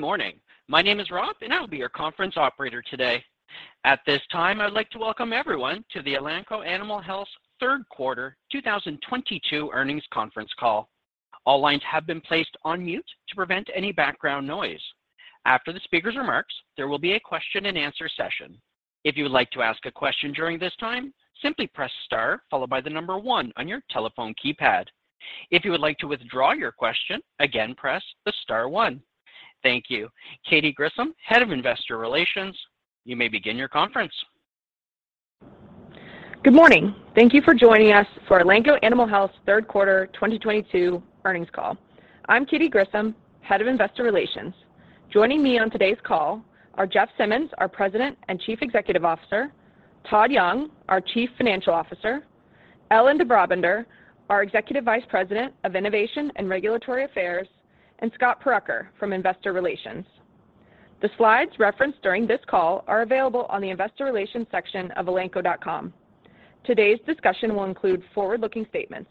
Good morning. My name is Rob, and I'll be your conference operator today. At this time, I'd like to welcome everyone to the Elanco Animal Health Third Quarter 2022 Earnings Conference Call. All lines have been placed on mute to prevent any background noise. After the speaker's remarks, there will be a question-and-answer session. If you would like to ask a question during this time, simply press star followed by the number one on your telephone keypad. If you would like to withdraw your question, again, press the star one. Thank you. Katy Grissom, Head of Investor Relations, you may begin your conference. Good morning. Thank you for joining us for Elanco Animal Health Third Quarter 2022 earnings call. I'm Katy Grissom, Head of Investor Relations. Joining me on today's call are Jeff Simmons, our President and Chief Executive Officer, Todd Young, our Chief Financial Officer, Ellen de Brabander, our Executive Vice President of Innovation and Regulatory Affairs, and Scott Purucker from Investor Relations. The slides referenced during this call are available on the investor relations section of elanco.com. Today's discussion will include forward-looking statements.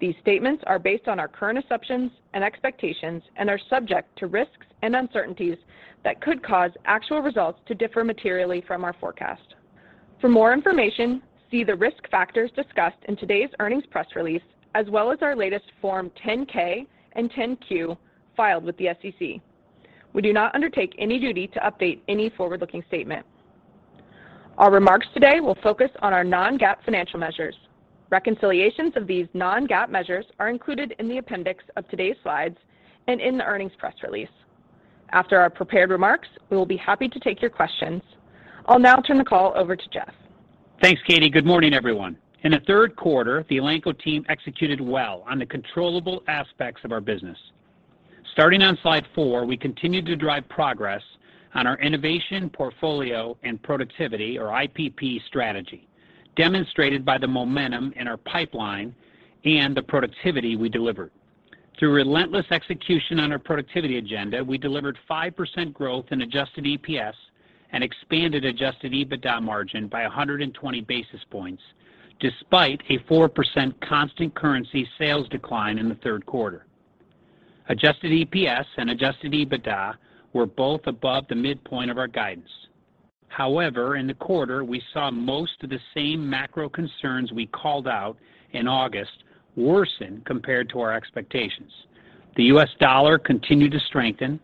These statements are based on our current assumptions and expectations and are subject to risks and uncertainties that could cause actual results to differ materially from our forecast. For more information, see the risk factors discussed in today's earnings press release, as well as our latest Form 10-K and 10-Q filed with the SEC. We do not undertake any duty to update any forward-looking statement. Our remarks today will focus on our non-GAAP financial measures. Reconciliations of these non-GAAP measures are included in the appendix of today's slides and in the earnings press release. After our prepared remarks, we will be happy to take your questions. I'll now turn the call over to Jeff. Thanks, Katie. Good morning, everyone. In the third quarter, the Elanco team executed well on the controllable aspects of our business. Starting on slide 4, we continued to drive progress on our innovation portfolio and productivity or IPP strategy, demonstrated by the momentum in our pipeline and the productivity we delivered. Through relentless execution on our productivity agenda, we delivered 5% growth in adjusted EPS and expanded Adjusted EBITDA margin by 120 basis points despite a 4% constant currency sales decline in the third quarter. Adjusted EPS and Adjusted EBITDA were both above the midpoint of our guidance. However, in the quarter, we saw most of the same macro concerns we called out in August worsen compared to our expectations. The U.S. dollar continued to strengthen.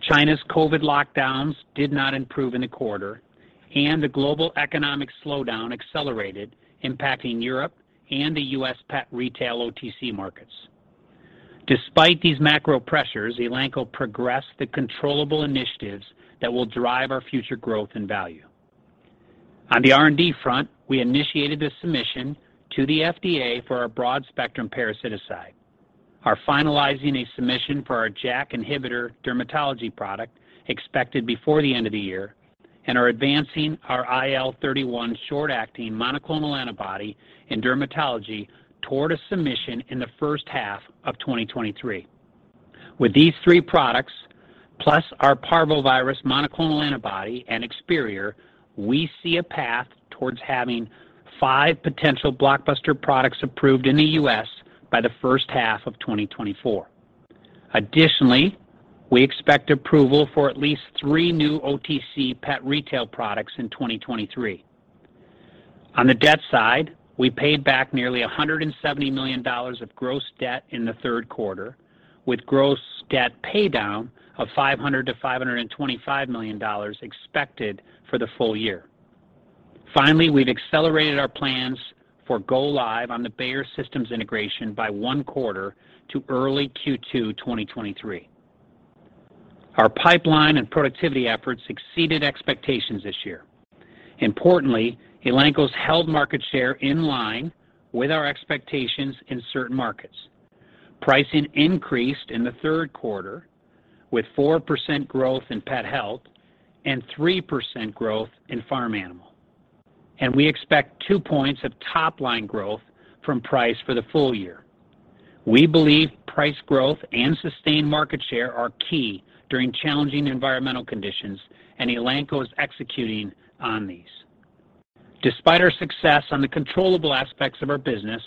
China's COVID-19 lockdowns did not improve in the quarter, and the global economic slowdown accelerated, impacting Europe and the U.S. pet retail OTC markets. Despite these macro pressures, Elanco progressed the controllable initiatives that will drive our future growth and value. On the R&D front, we initiated the submission to the FDA for our broad-spectrum parasiticide. We are finalizing a submission for our JAK inhibitor dermatology product expected before the end of the year, and are advancing our IL-31 short-acting monoclonal antibody in dermatology toward a submission in the first half of 2023. With these 3 products, plus our parvovirus monoclonal antibody and Experior, we see a path towards having 5 potential blockbuster products approved in the U.S. by the first half of 2024. Additionally, we expect approval for at least 3 new OTC pet retail products in 2023. On the debt side, we paid back nearly $170 million of gross debt in the third quarter, with gross debt paydown of $500 million-$525 million expected for the full year. Finally, we've accelerated our plans for go live on the Bayer systems integration by one quarter to early Q2 2023. Our pipeline and productivity efforts exceeded expectations this year. Importantly, Elanco has held market share in line with our expectations in certain markets. Pricing increased in the third quarter with 4% growth in pet health and 3% growth in farm animal. We expect 2 points of top-line growth from price for the full year. We believe price growth and sustained market share are key during challenging environmental conditions, and Elanco is executing on these. Despite our success on the controllable aspects of our business,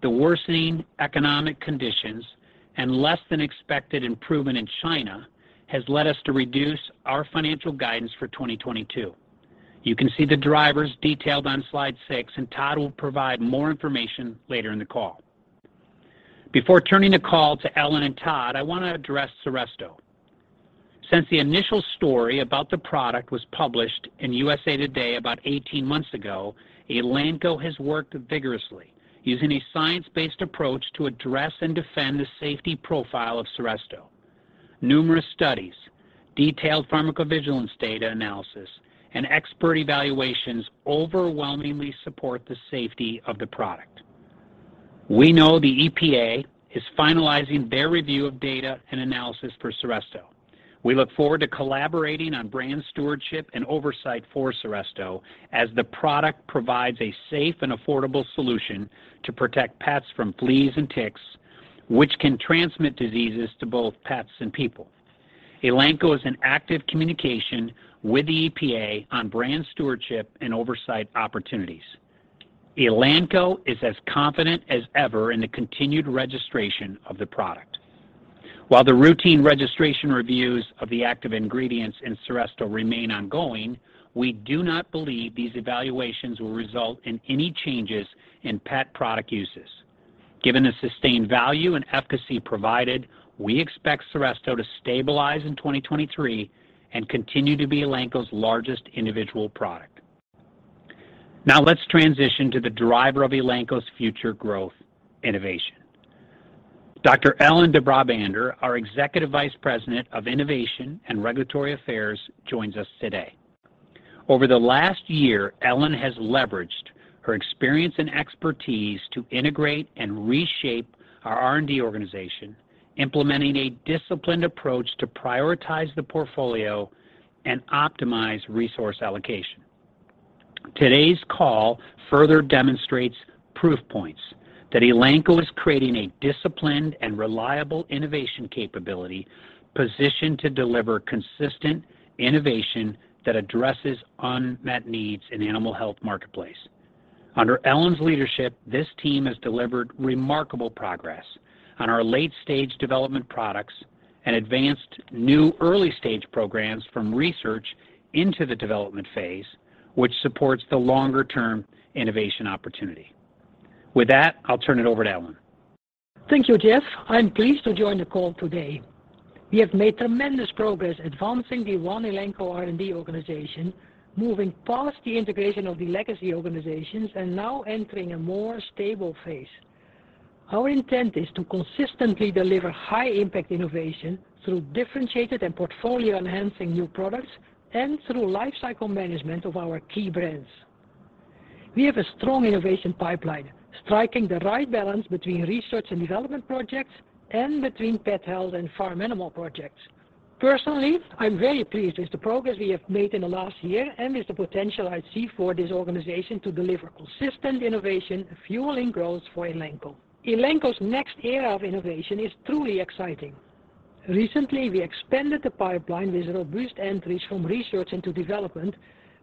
the worsening economic conditions and less than expected improvement in China has led us to reduce our financial guidance for 2022. You can see the drivers detailed on slide 6, and Todd will provide more information later in the call. Before turning the call to Ellen and Todd, I wanna address Seresto. Since the initial story about the product was published in USA Today about 18 months ago, Elanco has worked vigorously using a science-based approach to address and defend the safety profile of Seresto. Numerous studies, detailed pharmacovigilance data analysis, and expert evaluations overwhelmingly support the safety of the product. We know the EPA is finalizing their review of data and analysis for Seresto. We look forward to collaborating on brand stewardship and oversight for Seresto as the product provides a safe and affordable solution to protect pets from fleas and ticks, which can transmit diseases to both pets and people. Elanco is in active communication with the EPA on brand stewardship and oversight opportunities. Elanco is as confident as ever in the continued registration of the product. While the routine registration reviews of the active ingredients in Seresto remain ongoing, we do not believe these evaluations will result in any changes in pet product uses. Given the sustained value and efficacy provided, we expect Seresto to stabilize in 2023 and continue to be Elanco's largest individual product. Now let's transition to the driver of Elanco's future growth innovation. Dr. Ellen de Brabander, our Executive Vice President of Innovation and Regulatory Affairs, joins us today. Over the last year, Ellen has leveraged her experience and expertise to integrate and reshape our R&D organization, implementing a disciplined approach to prioritize the portfolio and optimize resource allocation. Today's call further demonstrates proof points that Elanco is creating a disciplined and reliable innovation capability positioned to deliver consistent innovation that addresses unmet needs in animal health marketplace. Under Ellen's leadership, this team has delivered remarkable progress on our late-stage development products and advanced new early-stage programs from research into the development phase, which supports the longer-term innovation opportunity. With that, I'll turn it over to Ellen. Thank you, Jeff. I'm pleased to join the call today. We have made tremendous progress advancing the One Elanco R&D organization, moving past the integration of the legacy organizations and now entering a more stable phase. Our intent is to consistently deliver high-impact innovation through differentiated and portfolio-enhancing new products and through lifecycle management of our key brands. We have a strong innovation pipeline, striking the right balance between research and development projects and between pet health and farm animal projects. Personally, I'm very pleased with the progress we have made in the last year and with the potential I see for this organization to deliver consistent innovation fueling growth for Elanco. Elanco's next era of innovation is truly exciting. Recently, we expanded the pipeline with robust entries from research into development,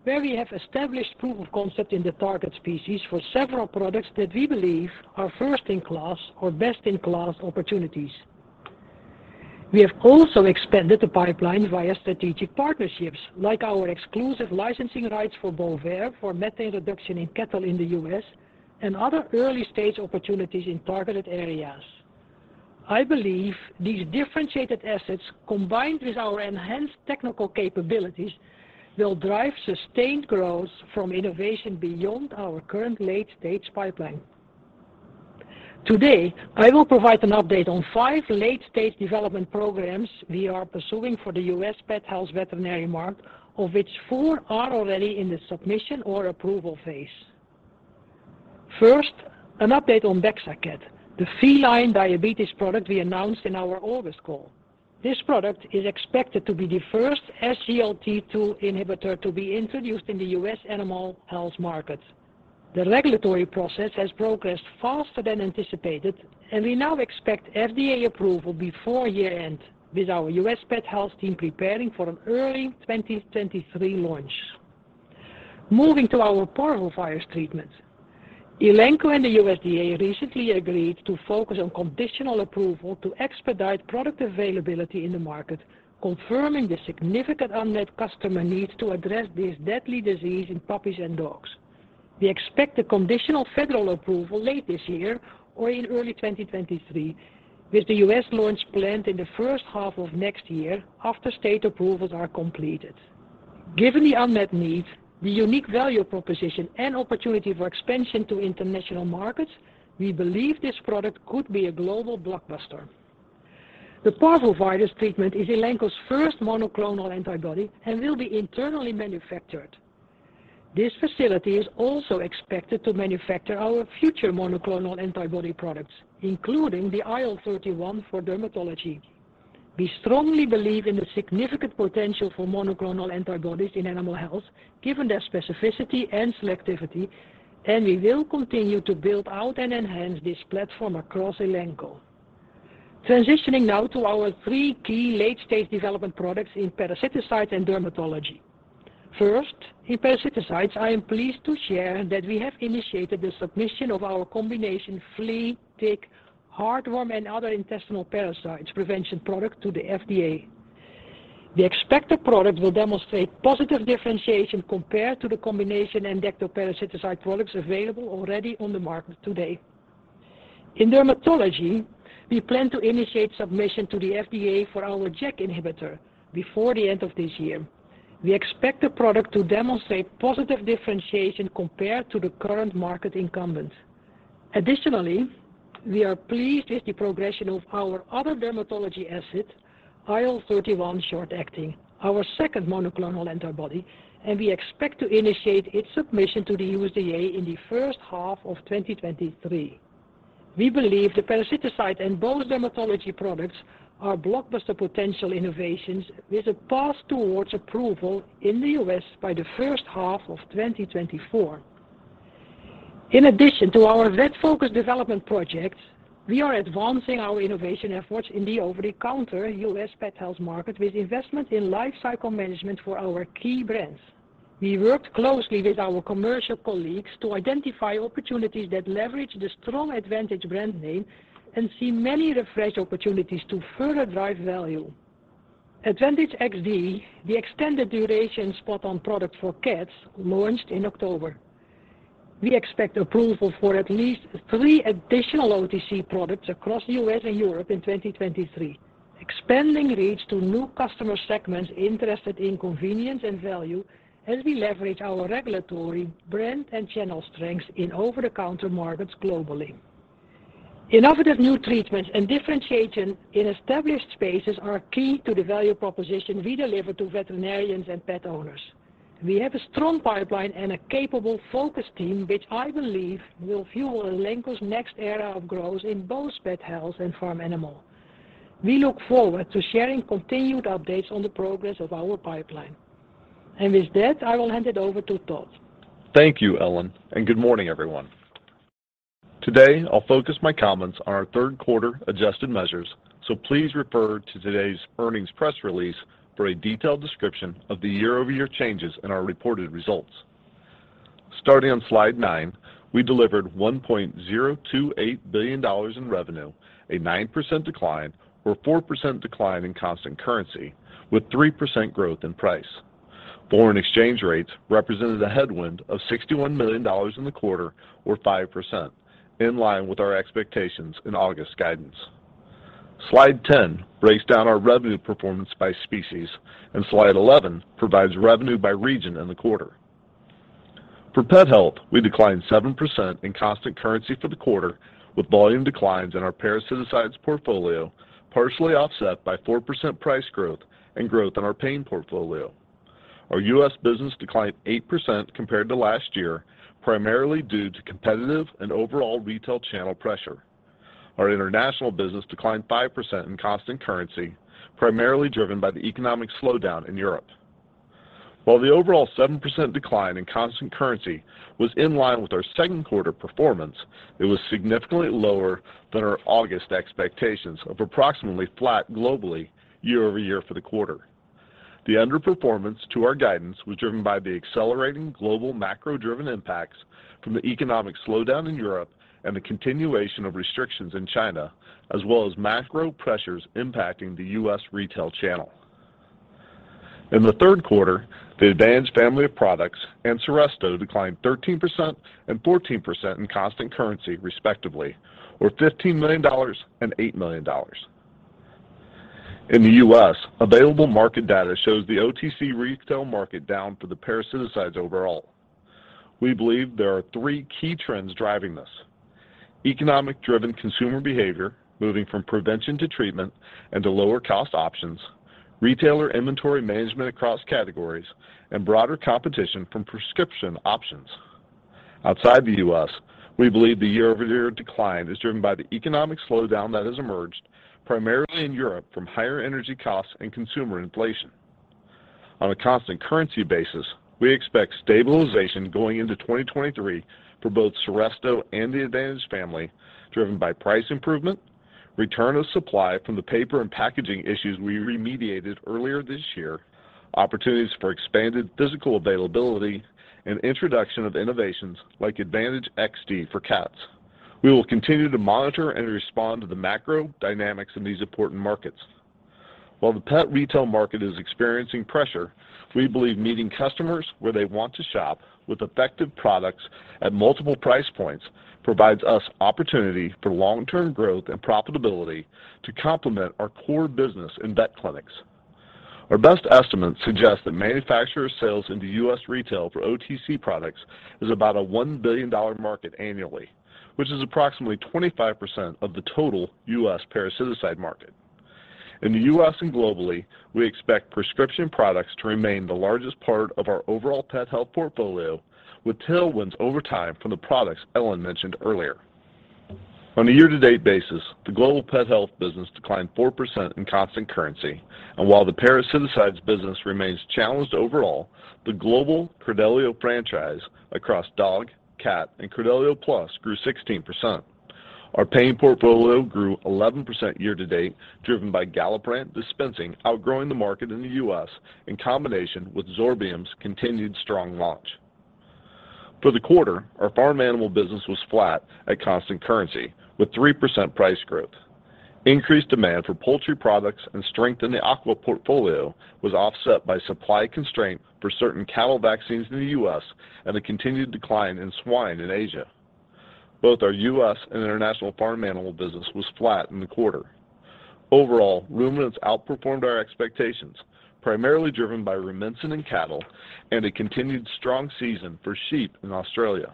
where we have established proof of concept in the target species for several products that we believe are first-in-class or best-in-class opportunities. We have also expanded the pipeline via strategic partnerships like our exclusive licensing rights for Bovaer for methane reduction in cattle in the U.S. and other early-stage opportunities in targeted areas. I believe these differentiated assets combined with our enhanced technical capabilities will drive sustained growth from innovation beyond our current late-stage pipeline. Today, I will provide an update on five late-stage development programs we are pursuing for the U.S. pet health veterinary market, of which four are already in the submission or approval phase. First, an update on Bexacat, the feline diabetes product we announced in our August call. This product is expected to be the first SGLT-2 inhibitor to be introduced in the U.S. animal health market. The regulatory process has progressed faster than anticipated, and we now expect FDA approval before year-end, with our U.S. pet health team preparing for an early 2023 launch. Moving to our parvovirus treatment. Elanco and the USDA recently agreed to focus on conditional approval to expedite product availability in the market, confirming the significant unmet customer needs to address this deadly disease in puppies and dogs. We expect a conditional federal approval late this year or in early 2023, with the U.S. launch planned in the first half of next year after state approvals are completed. Given the unmet need, the unique value proposition and opportunity for expansion to international markets, we believe this product could be a global blockbuster. The parvovirus treatment is Elanco's first monoclonal antibody and will be internally manufactured. This facility is also expected to manufacture our future monoclonal antibody products, including the IL-31 for dermatology. We strongly believe in the significant potential for monoclonal antibodies in animal health, given their specificity and selectivity, and we will continue to build out and enhance this platform across Elanco. Transitioning now to our three key late-stage development products in parasiticides and dermatology. First, in parasiticides, I am pleased to share that we have initiated the submission of our combination flea, tick, heartworm, and other intestinal parasites prevention product to the FDA. The expected product will demonstrate positive differentiation compared to the combination and ectoparasiticide products available already on the market today. In dermatology, we plan to initiate submission to the FDA for our JAK inhibitor before the end of this year. We expect the product to demonstrate positive differentiation compared to the current market incumbent. Additionally, we are pleased with the progression of our other dermatology asset, IL-31 short-acting, our second monoclonal antibody, and we expect to initiate its submission to the USDA in the first half of 2023. We believe the parasiticide and both dermatology products are blockbuster potential innovations with a path towards approval in the U.S. by the first half of 2024. In addition to our vet-focused development projects, we are advancing our innovation efforts in the over-the-counter U.S. pet health market with investment in lifecycle management for our key brands. We worked closely with our commercial colleagues to identify opportunities that leverage the strong Advantage brand name and see many refresh opportunities to further drive value. Advantage XD, the extended duration spot on product for cats, launched in October. We expect approval for at least 3 additional OTC products across U.S. and Europe in 2023, expanding reach to new customer segments interested in convenience and value as we leverage our regulatory brand and channel strengths in over-the-counter markets globally. Innovative new treatments and differentiation in established spaces are key to the value proposition we deliver to veterinarians and pet owners. We have a strong pipeline and a capable focus team which I believe will fuel Elanco's next era of growth in both pet health and farm animal. We look forward to sharing continued updates on the progress of our pipeline. With that, I will hand it over to Todd. Thank you, Ellen, and good morning, everyone. Today, I'll focus my comments on our third quarter adjusted measures, so please refer to today's earnings press release for a detailed description of the year-over-year changes in our reported results. Starting on slide 9, we delivered $1.028 billion in revenue, a 9% decline or 4% decline in constant currency with 3% growth in price. Foreign exchange rates represented a headwind of $61 million in the quarter or 5% in line with our expectations in August guidance. Slide 10 breaks down our revenue performance by species and slide 11 provides revenue by region in the quarter. For Pet Health, we declined 7% in constant currency for the quarter with volume declines in our parasiticides portfolio, partially offset by 4% price growth and growth in our pain portfolio. Our U.S. business declined 8% compared to last year, primarily due to competitive and overall retail channel pressure. Our international business declined 5% in constant currency, primarily driven by the economic slowdown in Europe. While the overall 7% decline in constant currency was in line with our second quarter performance, it was significantly lower than our August expectations of approximately flat globally year-over-year for the quarter. The underperformance to our guidance was driven by the accelerating global macro-driven impacts from the economic slowdown in Europe and the continuation of restrictions in China, as well as macro pressures impacting the U.S. retail channel. In the third quarter, the Advantage family of products and Seresto declined 13% and 14% in constant currency, respectively, or $15 million and $8 million. In the U.S., available market data shows the OTC retail market down for the parasiticides overall. We believe there are three key trends driving this. Economic-driven consumer behavior, moving from prevention to treatment and to lower cost options, retailer inventory management across categories, and broader competition from prescription options. Outside the U.S., we believe the year-over-year decline is driven by the economic slowdown that has emerged, primarily in Europe from higher energy costs and consumer inflation. On a constant currency basis, we expect stabilization going into 2023 for both Seresto and the Advantage family, driven by price improvement, return of supply from the paper and packaging issues we remediated earlier this year, opportunities for expanded physical availability, and introduction of innovations like Advantage XD for cats. We will continue to monitor and respond to the macro dynamics in these important markets. While the pet retail market is experiencing pressure, we believe meeting customers where they want to shop with effective products at multiple price points provides us opportunity for long-term growth and profitability to complement our core business in vet clinics. Our best estimates suggest that manufacturer sales into U.S. retail for OTC products is about a $1 billion market annually, which is approximately 25% of the total U.S. parasiticide market. In the U.S. and globally, we expect prescription products to remain the largest part of our overall pet health portfolio, with tailwinds over time from the products Ellen mentioned earlier. On a year-to-date basis, the global pet health business declined 4% in constant currency. While the parasiticides business remains challenged overall, the global Credelio franchise across dog, cat, and Credelio Plus grew 16%. Our pain portfolio grew 11% year to date, driven by Galliprant dispensing outgrowing the market in the U.S. in combination with Zorbium's continued strong launch. For the quarter, our farm animal business was flat at constant currency with 3% price growth. Increased demand for poultry products and strength in the aqua portfolio was offset by supply constraint for certain cattle vaccines in the U.S. and a continued decline in swine in Asia. Both our U.S. and international farm animal business was flat in the quarter. Overall, ruminants outperformed our expectations, primarily driven by Rumensin in cattle and a continued strong season for sheep in Australia.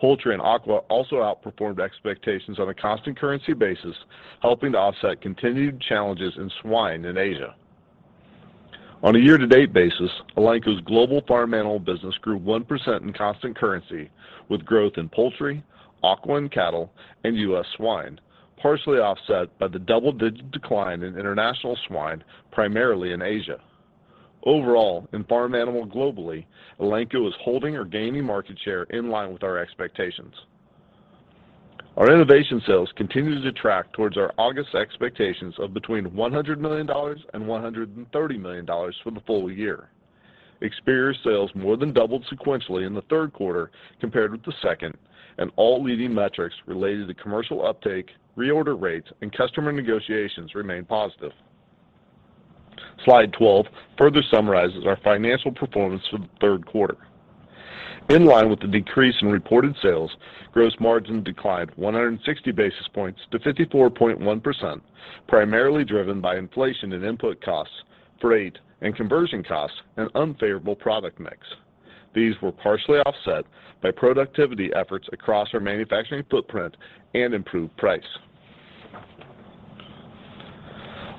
Poultry and aqua also outperformed expectations on a constant currency basis, helping to offset continued challenges in swine in Asia. On a year-to-date basis, Elanco's global farm animal business grew 1% in constant currency with growth in poultry, aqua and cattle, and US swine, partially offset by the double-digit decline in international swine, primarily in Asia. Overall, in farm animal globally, Elanco is holding or gaining market share in line with our expectations. Our innovation sales continue to track towards our August expectations of between $100 million and $130 million for the full year. Experior sales more than doubled sequentially in the third quarter compared with the second, and all leading metrics related to commercial uptake, reorder rates, and customer negotiations remain positive. Slide 12 further summarizes our financial performance for the third quarter. In line with the decrease in reported sales, gross margin declined 160 basis points to 54.1%, primarily driven by inflation in input costs, freight, and conversion costs, and unfavorable product mix. These were partially offset by productivity efforts across our manufacturing footprint and improved price.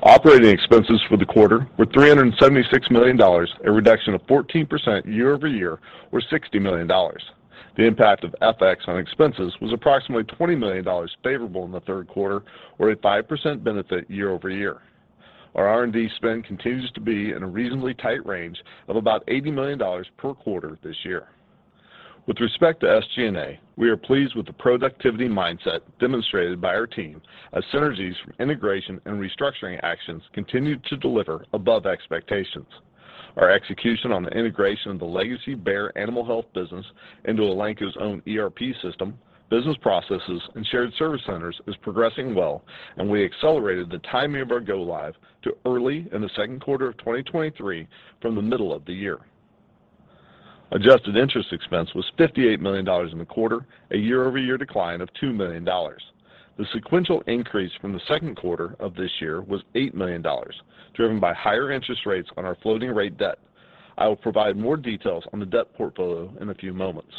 Operating expenses for the quarter were $376 million, a reduction of 14% year-over-year or $60 million. The impact of FX on expenses was approximately $20 million favorable in the third quarter or a 5% benefit year-over-year. Our R&D spend continues to be in a reasonably tight range of about $80 million per quarter this year. With respect to SG&A, we are pleased with the productivity mindset demonstrated by our team as synergies from integration and restructuring actions continue to deliver above expectations. Our execution on the integration of the legacy Bayer Animal Health business into Elanco's own ERP system, business processes, and shared service centers is progressing well, and we accelerated the timing of our go live to early in the second quarter of 2023 from the middle of the year. Adjusted interest expense was $58 million in the quarter, a year-over-year decline of $2 million. The sequential increase from the second quarter of this year was $8 million, driven by higher interest rates on our floating rate debt. I will provide more details on the debt portfolio in a few moments.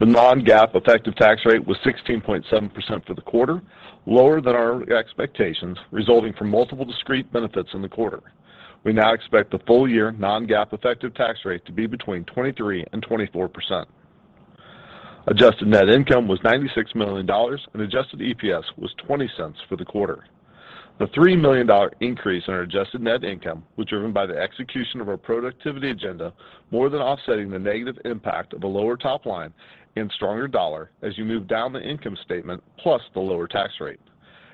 The non-GAAP effective tax rate was 16.7% for the quarter, lower than our expectations, resulting from multiple discrete benefits in the quarter. We now expect the full-year non-GAAP effective tax rate to be between 23% and 24%. Adjusted net income was $96 million, and adjusted EPS was $0.20 for the quarter. The $3 million increase in our adjusted net income was driven by the execution of our productivity agenda more than offsetting the negative impact of a lower top line and stronger dollar as you move down the income statement, plus the lower tax rate.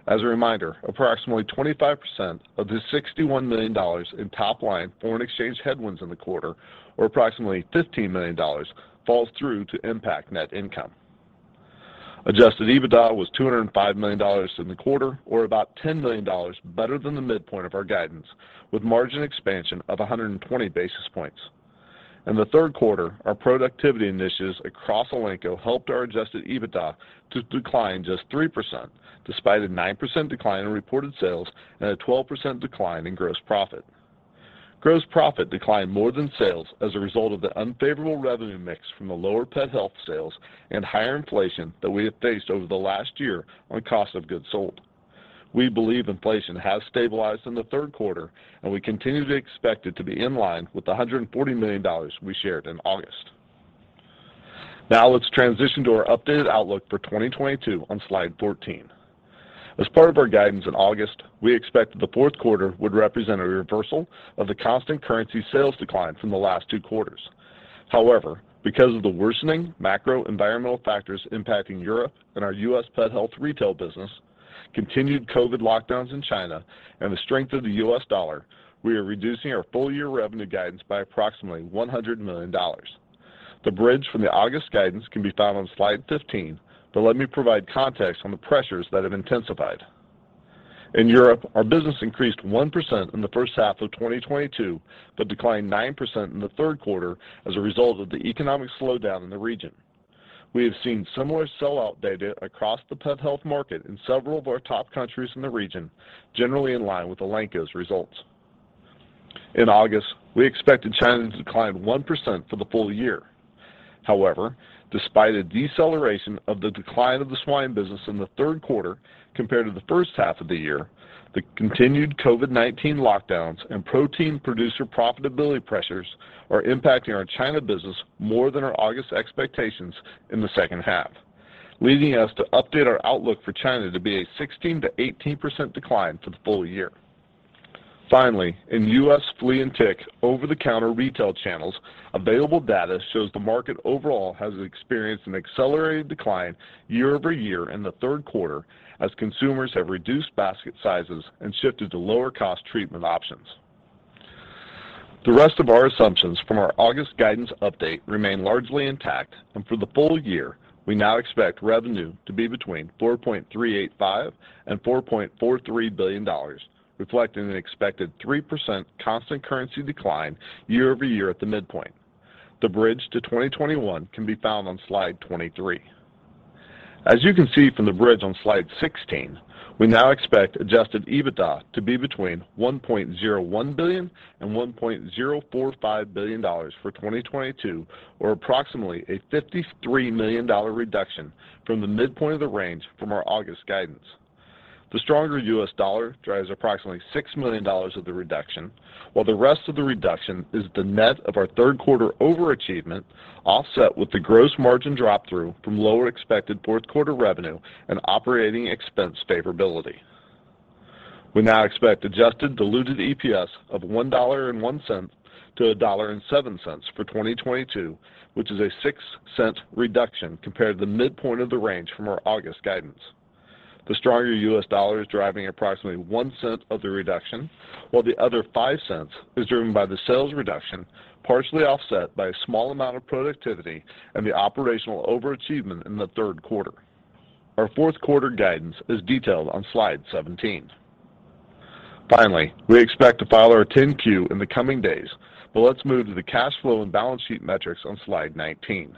As a reminder, approximately 25% of the $61 million in top-line foreign exchange headwinds in the quarter, or approximately $15 million, falls through to impact net income. Adjusted EBITDA was $205 million in the quarter, or about $10 million better than the midpoint of our guidance, with margin expansion of 120 basis points. In the third quarter, our productivity initiatives across Elanco helped our Adjusted EBITDA to decline just 3%, despite a 9% decline in reported sales and a 12% decline in gross profit. Gross profit declined more than sales as a result of the unfavorable revenue mix from the lower pet health sales and higher inflation that we have faced over the last year on cost of goods sold. We believe inflation has stabilized in the third quarter, and we continue to expect it to be in line with the $140 million we shared in August. Now let's transition to our updated outlook for 2022 on slide 14. As part of our guidance in August, we expected the fourth quarter would represent a reversal of the constant currency sales decline from the last two quarters. However, because of the worsening macro environmental factors impacting Europe and our US pet health retail business, continued COVID lockdowns in China, and the strength of the US dollar, we are reducing our full-year revenue guidance by approximately $100 million. The bridge from the August guidance can be found on slide 15, but let me provide context on the pressures that have intensified. In Europe, our business increased 1% in the first half of 2022, but declined 9% in the third quarter as a result of the economic slowdown in the region. We have seen similar sellout data across the pet health market in several of our top countries in the region, generally in line with Elanco's results. In August, we expected China to decline 1% for the full year. However, despite a deceleration of the decline of the swine business in the third quarter compared to the first half of the year, the continued COVID-19 lockdowns and protein producer profitability pressures are impacting our China business more than our August expectations in the second half, leading us to update our outlook for China to be a 16%-18% decline for the full year. Finally, in U.S. flea and tick over-the-counter retail channels, available data shows the market overall has experienced an accelerated decline year-over-year in the third quarter as consumers have reduced basket sizes and shifted to lower-cost treatment options. The rest of our assumptions from our August guidance update remain largely intact, and for the full year, we now expect revenue to be between $4.385 billion and $4.43 billion, reflecting an expected 3% constant currency decline year-over-year at the midpoint. The bridge to 2021 can be found on slide 23. As you can see from the bridge on slide 16, we now expect Adjusted EBITDA to be between $1.01 billion and $1.045 billion for 2022, or approximately a $53 million reduction from the midpoint of the range from our August guidance. The stronger US dollar drives approximately $6 million of the reduction, while the rest of the reduction is the net of our third quarter overachievement offset with the gross margin drop through from lower expected fourth quarter revenue and operating expense favorability. We now expect adjusted diluted EPS of $1.01-$1.07 for 2022, which is a 6-cent reduction compared to the midpoint of the range from our August guidance. The stronger US dollar is driving approximately 1 cent of the reduction, while the other 5 cents is driven by the sales reduction, partially offset by a small amount of productivity and the operational overachievement in the third quarter. Our fourth quarter guidance is detailed on slide 17. Finally, we expect to file our 10-Q in the coming days, but let's move to the cash flow and balance sheet metrics on slide 19.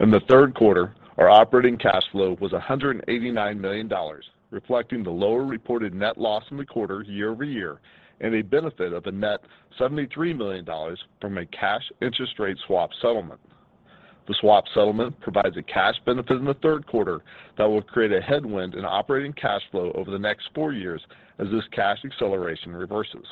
In the third quarter, our operating cash flow was $189 million, reflecting the lower reported net loss in the quarter year-over-year and a benefit of a net $73 million from a cash interest rate swap settlement. The swap settlement provides a cash benefit in the third quarter that will create a headwind in operating cash flow over the next four years as this cash acceleration reverses.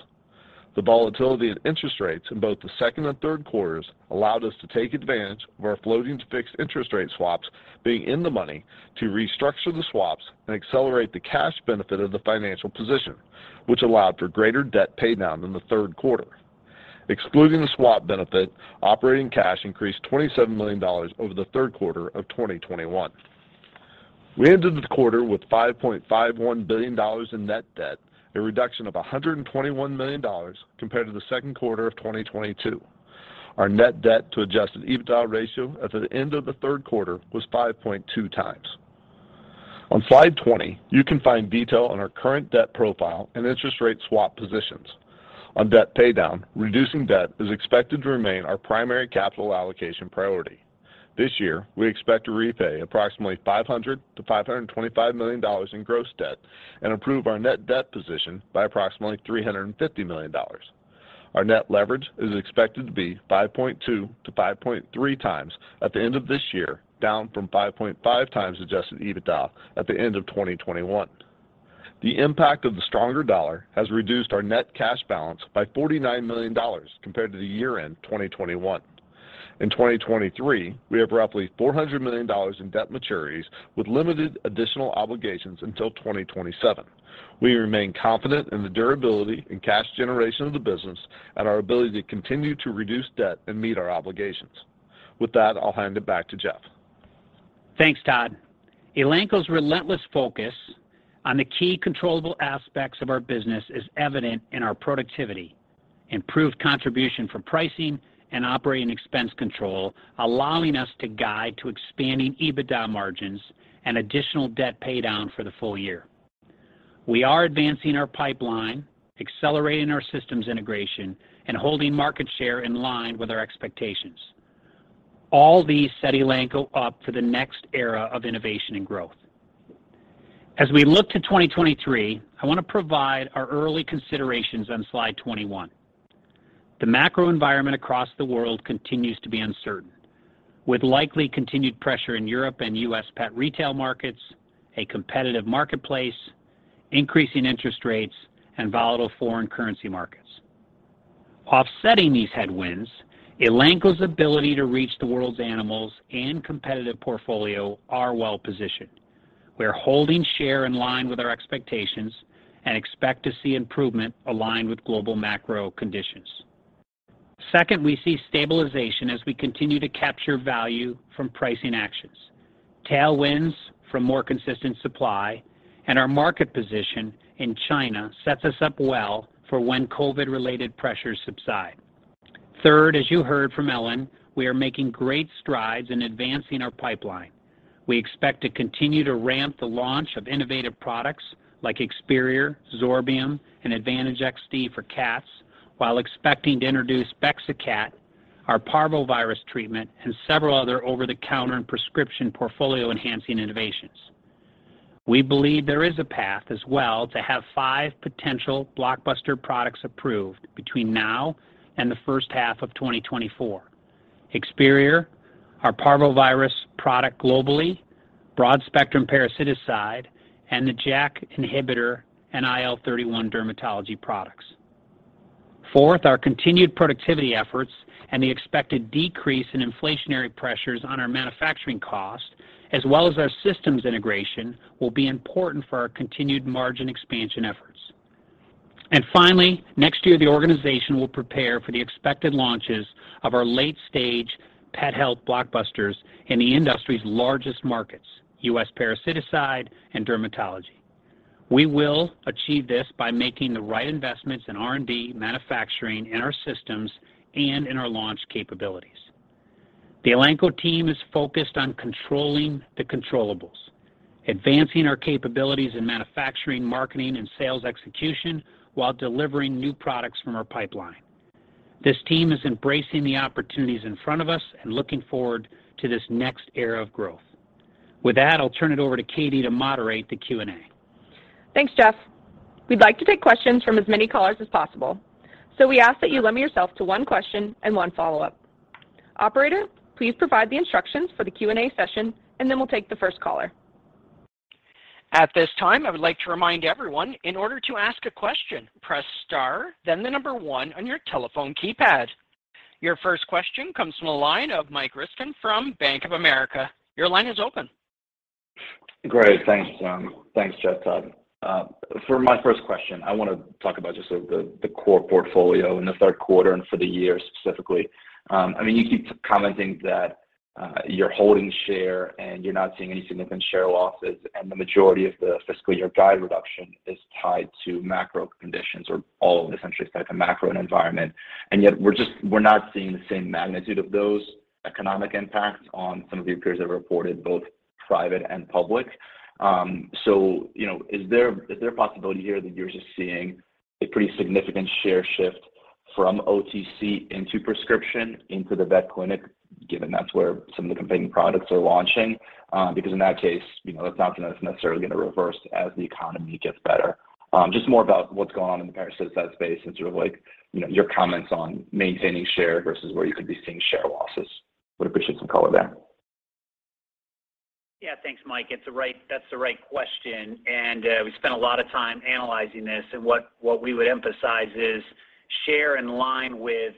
The volatility in interest rates in both the second and third quarters allowed us to take advantage of our floating to fixed interest rate swaps being in the money to restructure the swaps and accelerate the cash benefit of the financial position, which allowed for greater debt pay down in the third quarter. Excluding the swap benefit, operating cash increased $27 million over the third quarter of 2021. We ended the quarter with $5.51 billion in net debt, a reduction of $121 million compared to the second quarter of 2022. Our net debt to Adjusted EBITDA ratio at the end of the third quarter was 5.2x. On slide 20, you can find detail on our current debt profile and interest rate swap positions. On debt paydown, reducing debt is expected to remain our primary capital allocation priority. This year, we expect to repay approximately $500-$525 million in gross debt and improve our net debt position by approximately $350 million. Our net leverage is expected to be 5.2x-5.3x at the end of this year, down from 5.5x Adjusted EBITDA at the end of 2021. The impact of the stronger dollar has reduced our net cash balance by $49 million compared to the year-end 2021. In 2023, we have roughly $400 million in debt maturities with limited additional obligations until 2027. We remain confident in the durability and cash generation of the business and our ability to continue to reduce debt and meet our obligations. With that, I'll hand it back to Jeff. Thanks, Todd. Elanco's relentless focus on the key controllable aspects of our business is evident in our productivity, improved contribution from pricing and operating expense control, allowing us to guide to expanding EBITDA margins and additional debt paydown for the full year. We are advancing our pipeline, accelerating our systems integration and holding market share in line with our expectations. All these set Elanco up for the next era of innovation and growth. As we look to 2023, I want to provide our early considerations on slide 21. The macro environment across the world continues to be uncertain, with likely continued pressure in Europe and U.S. pet retail markets, a competitive marketplace, increasing interest rates and volatile foreign currency markets. Offsetting these headwinds, Elanco's ability to reach the world's animals and competitive portfolio are well-positioned. We are holding share in line with our expectations and expect to see improvement aligned with global macro conditions. Second, we see stabilization as we continue to capture value from pricing actions, tailwinds from more consistent supply and our market position in China sets us up well for when COVID-related pressures subside. Third, as you heard from Ellen, we are making great strides in advancing our pipeline. We expect to continue to ramp the launch of innovative products like Experior, Zorbium, and Advantage XD for cats, while expecting to introduce Bexacat, our parvovirus treatment, and several other over-the-counter and prescription portfolio-enhancing innovations. We believe there is a path as well to have five potential blockbuster products approved between now and the first half of 2024. Experior, our parvovirus product globally, broad-spectrum parasiticide, and the JAK inhibitor and IL-31 dermatology products. Fourth, our continued productivity efforts and the expected decrease in inflationary pressures on our manufacturing cost, as well as our systems integration, will be important for our continued margin expansion efforts. Finally, next year, the organization will prepare for the expected launches of our late-stage pet health blockbusters in the industry's largest markets, U.S. parasiticide and dermatology. We will achieve this by making the right investments in R&D, manufacturing, in our systems, and in our launch capabilities. The Elanco team is focused on controlling the controllables, advancing our capabilities in manufacturing, marketing, and sales execution while delivering new products from our pipeline. This team is embracing the opportunities in front of us and looking forward to this next era of growth. With that, I'll turn it over to Katie to moderate the Q&A. Thanks, Jeff. We'd like to take questions from as many callers as possible, so we ask that you limit yourself to one question and one follow-up. Operator, please provide the instructions for the Q&A session, and then we'll take the first caller. At this time, I would like to remind everyone in order to ask a question, press star, then the number 1 on your telephone keypad. Your first question comes from the line of Mike Ryskin from Bank of America. Your line is open. Great. Thanks, Jeff, for my first question. I wanna talk about just the core portfolio in the third quarter and for the year specifically. I mean, you keep commenting that you're holding share, and you're not seeing any significant share losses, and the majority of the fiscal year guide reduction is tied to macro conditions or all of the client-centric side of the macro environment. Yet we're just not seeing the same magnitude of those economic impacts on some of your peers that reported both private and public. You know, is there a possibility here that you're just seeing a pretty significant share shift from OTC into prescription, into the vet clinic, given that's where some of the competing products are launching? Because in that case, you know, that's not gonna necessarily reverse as the economy gets better. Just more about what's going on in the parasitic space and sort of like, you know, your comments on maintaining share versus where you could be seeing share losses. Would appreciate some color there. Yeah. Thanks, Mike. That's the right question, and we spent a lot of time analyzing this. What we would emphasize is sales in line with,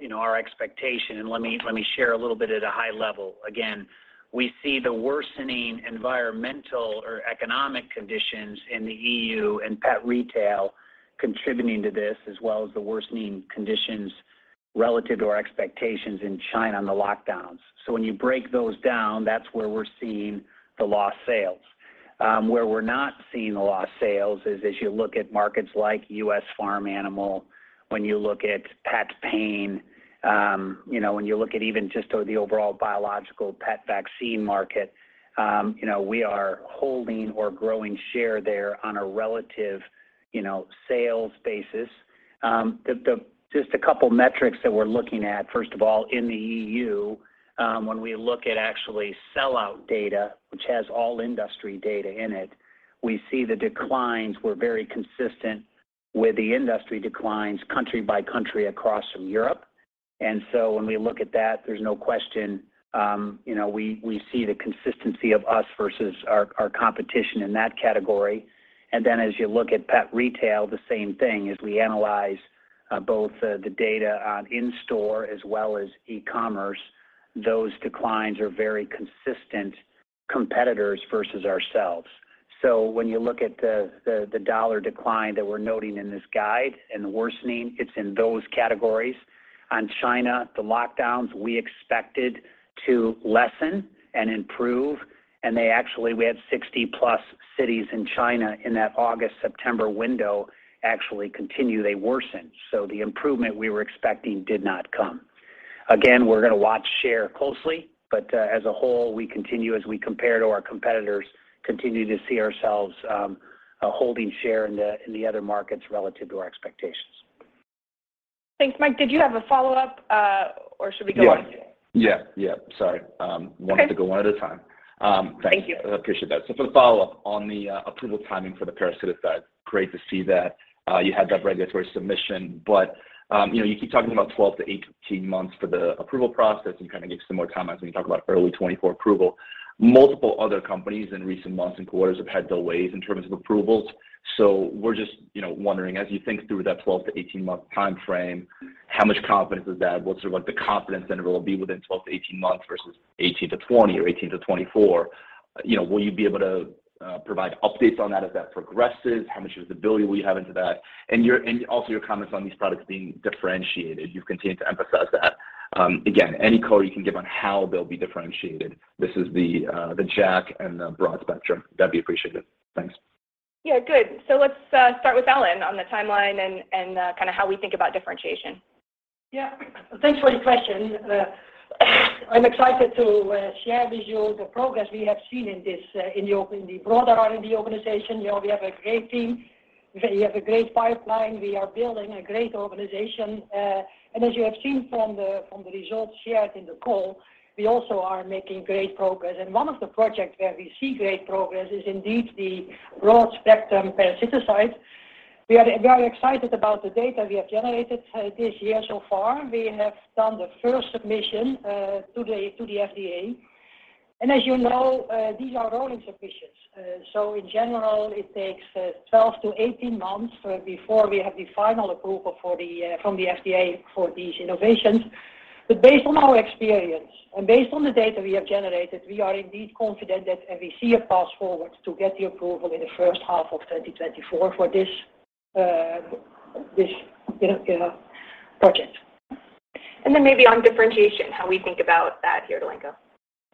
you know, our expectation. Let me share a little bit at a high level. Again, we see the worsening environmental or economic conditions in the EU and pet retail contributing to this, as well as the worsening conditions relative to our expectations in China on the lockdowns. When you break those down, that's where we're seeing the lost sales. Where we're not seeing the lost sales is as you look at markets like U.S. farm animal, when you look at pet pain, you know, when you look at even just the overall biological pet vaccine market, you know, we are holding or growing share there on a relative, you know, sales basis. Just a couple metrics that we're looking at, first of all, in the EU, when we look at actually sellout data, which has all industry data in it, we see the declines were very consistent with the industry declines country by country across from Europe. When we look at that, there's no question, you know, we see the consistency of us versus our competition in that category. As you look at pet retail, the same thing as we analyze both the data on in-store as well as e-commerce, those declines are very consistent competitors versus ourselves. When you look at the dollar decline that we're noting in this guide and the worsening, it's in those categories. On China, the lockdowns we expected to lessen and improve, and they actually. We had 60+ cities in China in that August-September window actually continue. They worsened. The improvement we were expecting did not come. Again, we're gonna watch share closely, but as a whole, we continue as we compare to our competitors, continue to see ourselves holding share in the other markets relative to our expectations. Thanks. Mike, did you have a follow-up, or should we go on to the- Yeah. Yeah. Sorry. Okay. Wanted to go one at a time. Thanks. Thank you. Appreciate that. For the follow-up, on the approval timing for the parasiticides, great to see that you had that regulatory submission. You know, you keep talking about 12-18 months for the approval process and kinda give some more comments when you talk about early 2024 approval. Multiple other companies in recent months and quarters have had delays in terms of approvals. We're just, you know, wondering, as you think through that 12-18-month timeframe, how much confidence is that? What's, like, the confidence interval be within 12-18 months versus 18-20 or 18-24? You know, will you be able to provide updates on that as that progresses? How much visibility will you have into that? Your and also your comments on these products being differentiated. You've continued to emphasize that. Again, any color you can give on how they'll be differentiated. This is the JAK and the broad-spectrum. That'd be appreciated. Thanks. Yeah, good. Let's start with Ellen de Brabander on the timeline and kinda how we think about differentiation. Yeah. Thanks for the question. I'm excited to share with you the progress we have seen in this, in the broader R&D organization. You know, we have a great team. We have a great pipeline. We are building a great organization. As you have seen from the results shared in the call, we also are making great progress. One of the projects where we see great progress is indeed the broad-spectrum parasiticides. We are very excited about the data we have generated this year so far. We have done the first submission to the FDA. As you know, these are rolling submissions. In general, it takes 12-18 months before we have the final approval from the FDA for these innovations. Based on our experience and based on the data we have generated, we are indeed confident that we see a path forward to get the approval in the first half of 2024 for this, you know, project. Maybe on differentiation, how we think about that here, Elanco.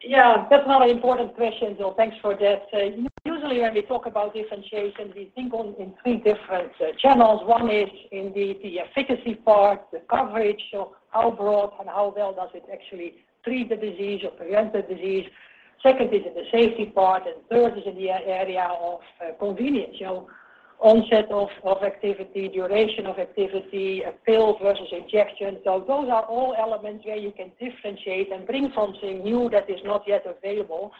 Yeah. That's another important question. Thanks for that. Usually when we talk about differentiation, we think of it in three different channels. One is in the efficacy part, the coverage of how broad and how well does it actually treat the disease or prevent the disease. Second is in the safety part, and third is in the area of convenience. You know, onset of activity, duration of activity, a pill versus injection. Those are all elements where you can differentiate and bring something new that is not yet available.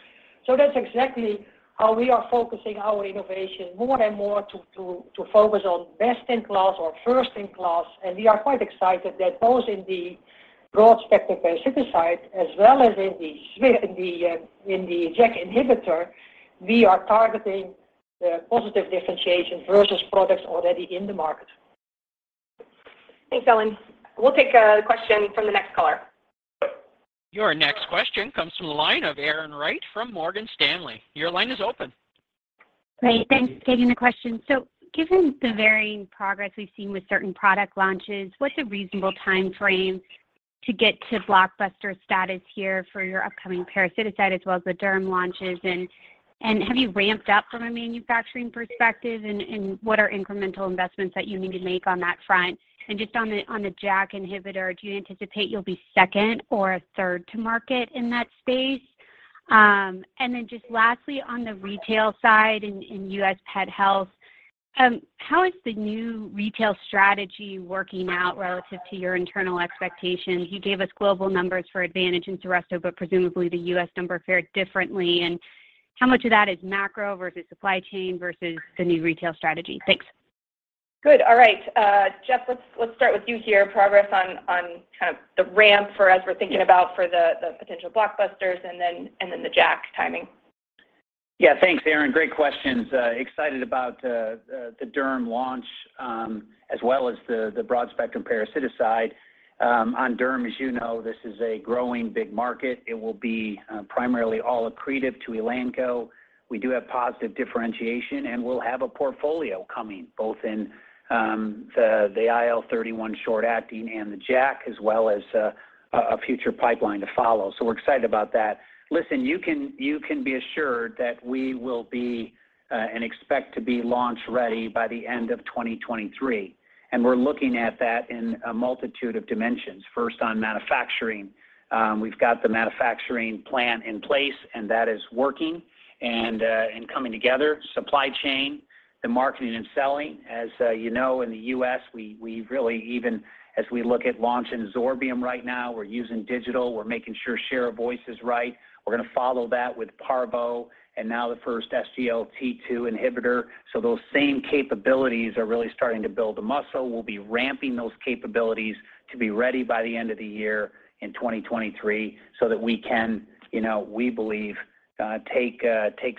That's exactly how we are focusing our innovation more and more to focus on best in class or first in class. We are quite excited that both in the broad-spectrum parasiticides as well as in the JAK inhibitor, we are targeting The positive differentiation versus products already in the market. Thanks, Ellen. We'll take a question from the next caller. Your next question comes from the line of Erin Wright from Morgan Stanley. Your line is open. Great. Thanks. Taking the question. Given the varying progress we've seen with certain product launches, what's a reasonable time frame to get to blockbuster status here for your upcoming parasiticides as well as the derm launches? Have you ramped up from a manufacturing perspective? What are incremental investments that you need to make on that front? Just on the JAK inhibitor, do you anticipate you'll be second or third to market in that space? Just lastly, on the retail side in U.S. pet health, how is the new retail strategy working out relative to your internal expectations? You gave us global numbers for Advantage and Seresto, but presumably the U.S. number fared differently. How much of that is macro versus supply chain versus the new retail strategy? Thanks. Good. All right. Jeff, let's start with you here. Progress on kind of the ramp for, as we're thinking about, for the potential blockbusters and then the JAK timing. Yeah. Thanks, Erin. Great questions. Excited about the derm launch, as well as the broad-spectrum parasiticide. On derm, as you know, this is a growing big market. It will be primarily all accretive to Elanco. We do have positive differentiation, and we'll have a portfolio coming both in the IL-31 short acting and the JAK, as well as a future pipeline to follow. So we're excited about that. Listen, you can be assured that we will be and expect to be launch-ready by the end of 2023, and we're looking at that in a multitude of dimensions. First, on manufacturing, we've got the manufacturing plant in place, and that is working and coming together. Supply chain, the marketing and selling. You know, in the US, we really even as we look at launching Zorbium right now, we're using digital. We're making sure share of voice is right. We're gonna follow that with Parvo and now the first SGLT2 inhibitor. Those same capabilities are really starting to build the muscle. We'll be ramping those capabilities to be ready by the end of the year in 2023, so that we can, you know, we believe, take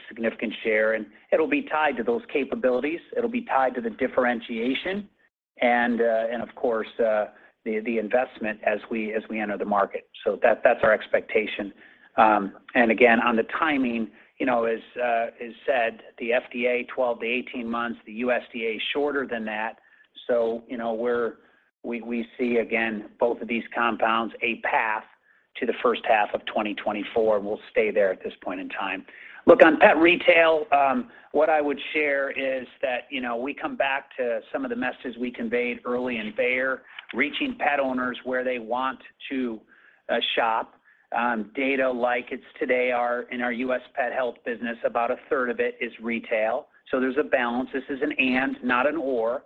significant share. It'll be tied to those capabilities. It'll be tied to the differentiation and of course, the investment as we enter the market. That's our expectation. Again, on the timing, you know, as said, the FDA, 12-18 months, the USDA shorter than that. You know, we see again, both of these compounds, a path to the first half of 2024. We'll stay there at this point in time. Look, on pet retail, what I would share is that, you know, we come back to some of the messages we conveyed early in Bayer, reaching pet owners where they want to shop. Data as it is today are in our U.S. pet health business, about a third of it is retail. There's a balance. This is an and, not an or.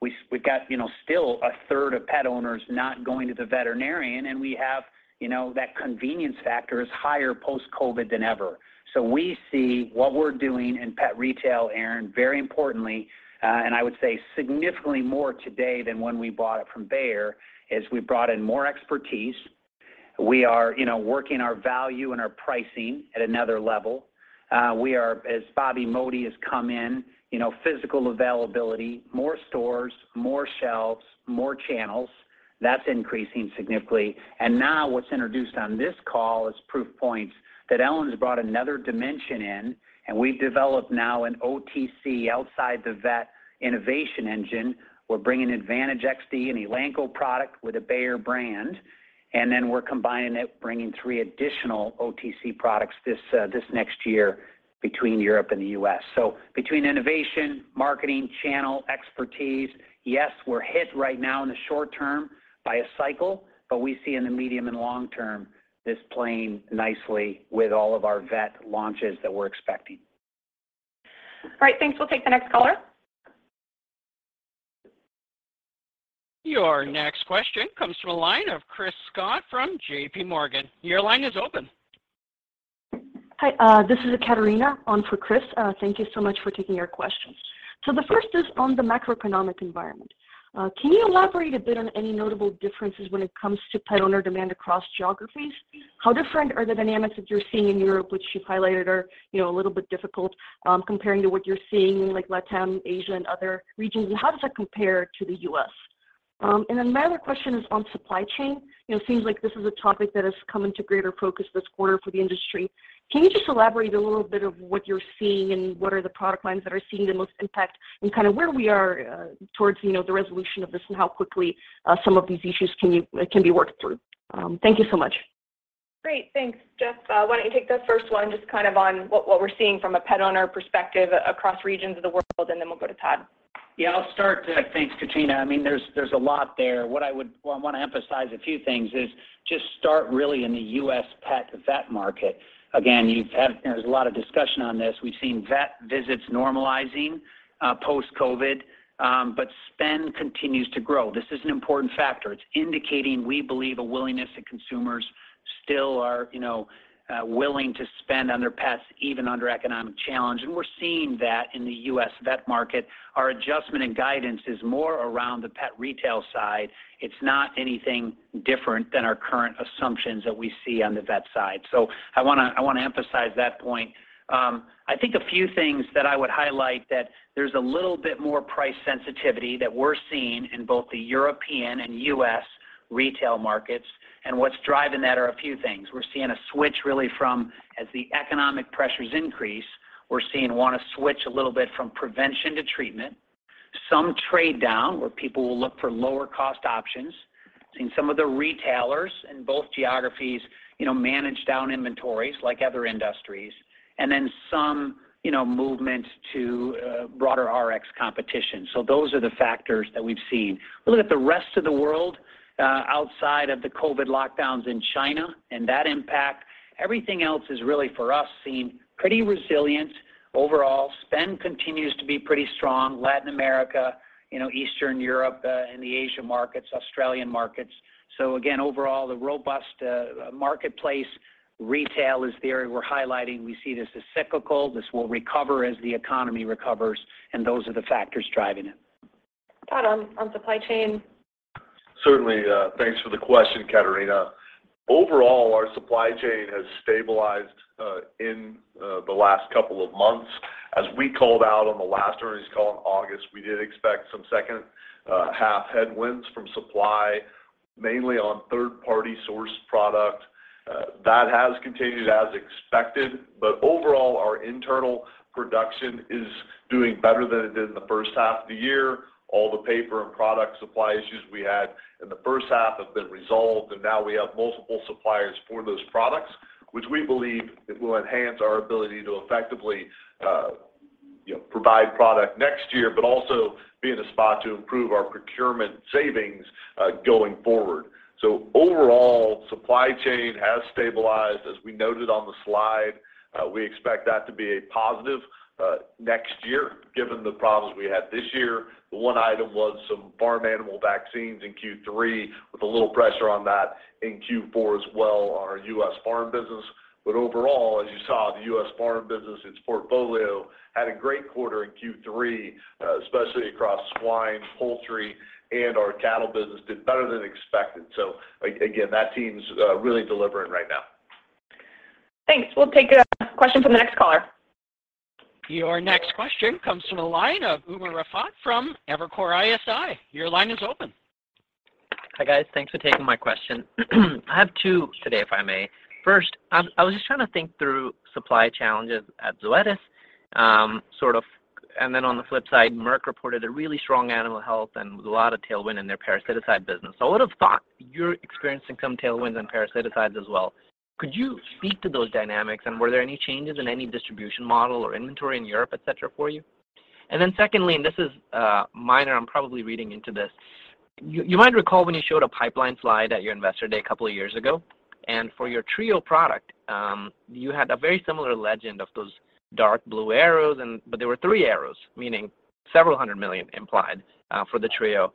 We've got, you know, still a third of pet owners not going to the veterinarian, and we have, you know, that convenience factor is higher post-COVID than ever. We see what we're doing in pet retail, Erin, very importantly, and I would say significantly more today than when we bought it from Bayer, is we brought in more expertise. We are, you know, working our value and our pricing at another level. We are as Bobby Modi has come in, you know, physical availability, more stores, more shelves, more channels, that's increasing significantly. Now what's introduced on this call is proof points that Ellen's brought another dimension in, and we've developed now an OTC outside the vet innovation engine. We're bringing Advantage XD, an Elanco product with a Bayer brand. Then we're combining it, bringing three additional OTC products this next year between Europe and the U.S. Between innovation, marketing, channel, expertise, yes, we're hit right now in the short term by a cycle, but we see in the medium and long term, this playing nicely with all of our vet launches that we're expecting. All right. Thanks. We'll take the next caller. Your next question comes from the line of Chris Schott from J.P. Morgan. Your line is open. Hi. This is Katarina on for Chris. Thank you so much for taking our questions. The first is on the macroeconomic environment. Can you elaborate a bit on any notable differences when it comes to pet owner demand across geographies? How different are the dynamics that you're seeing in Europe, which you've highlighted are, you know, a little bit difficult, comparing to what you're seeing in like LatAm, Asia, and other regions? And how does that compare to the U.S.? And then my other question is on supply chain. You know, it seems like this is a topic that has come into greater focus this quarter for the industry. Can you just elaborate a little bit of what you're seeing and what are the product lines that are seeing the most impact and kind of where we are towards, you know, the resolution of this and how quickly some of these issues can be worked through? Thank you so much. Great. Thanks. Jeff, why don't you take the first one just kind of on what we're seeing from a pet owner perspective across regions of the world, and then we'll go to Todd. Yeah, I'll start. Thanks, Katarina. I mean, there's a lot there. Well, I wanna emphasize a few things, is just start really in the U.S. pet vet market. Again, you've had, there's a lot of discussion on this. We've seen vet visits normalizing post-COVID, but spending continues to grow. This is an important factor. It's indicating, we believe, a willingness of consumers still are willing to spend on their pets even under economic challenge. We're seeing that in the U.S. vet market. Our adjustment and guidance is more around the pet retail side. It's not anything different than our current assumptions that we see on the vet side. I wanna emphasize that point. I think a few things that I would highlight that there's a little bit more price sensitivity that we're seeing in both the European and U.S. retail markets. What's driving that are a few things. We're seeing a switch really from prevention to treatment as the economic pressures increase. Some trade down where people will look for lower cost options. Seeing some of the retailers in both geographies, you know, manage down inventories like other industries. Some, you know, movement to broader RX competition. Those are the factors that we've seen. We look at the rest of the world, outside of the COVID lockdowns in China and that impact, everything else has really, for us, seemed pretty resilient. Overall spend continues to be pretty strong. Latin America, you know, Eastern Europe, and the Asian markets, Australian markets. Again, overall, the robust marketplace retail is the area we're highlighting. We see this as cyclical. This will recover as the economy recovers, and those are the factors driving it. Todd, on supply chain. Certainly. Thanks for the question, Katarina. Overall, our supply chain has stabilized in the last couple of months. As we called out on the last earnings call in August, we did expect some second half headwinds from supply, mainly on third-party sourced product. That has continued as expected. But overall, our internal production is doing better than it did in the first half of the year. All the paper and product supply issues we had in the first half have been resolved, and now we have multiple suppliers for those products, which we believe it will enhance our ability to effectively, you know, provide product next year, but also be in a spot to improve our procurement savings going forward. Overall, supply chain has stabilized. As we noted on the slide, we expect that to be a positive next year, given the problems we had this year. The one item was some farm animal vaccines .n Q3 with a little pressure on that in Q4 as well on our U.S. farm business. Overall, as you saw, the U.S. farm business, its portfolio had a great quarter in Q3, especially across swine, poultry, and our cattle business did better than expected. Again, that team's really delivering right now. Thanks. We'll take a question from the next caller. Your next question comes from the line of Umer Raffat from Evercore ISI. Your line is open. Hi, guys. Thanks for taking my question. I have two today, if I may. First, I was just trying to think through supply challenges at Zoetis. On the flip side, Merck reported a really strong animal health and a lot of tailwind in their parasitic business. I would've thought you're experiencing some tailwinds and parasiticides as well. Could you speak to those dynamics? Were there any changes in any distribution model or inventory in Europe, et cetera, for you? Secondly, this is minor. I'm probably reading into this. You might recall when you showed a pipeline slide at your Investor Day a couple of years ago. For your Trio product, you had a very similar legend of those dark blue arrows, but there were three arrows, meaning $several hundred million implied for the Trio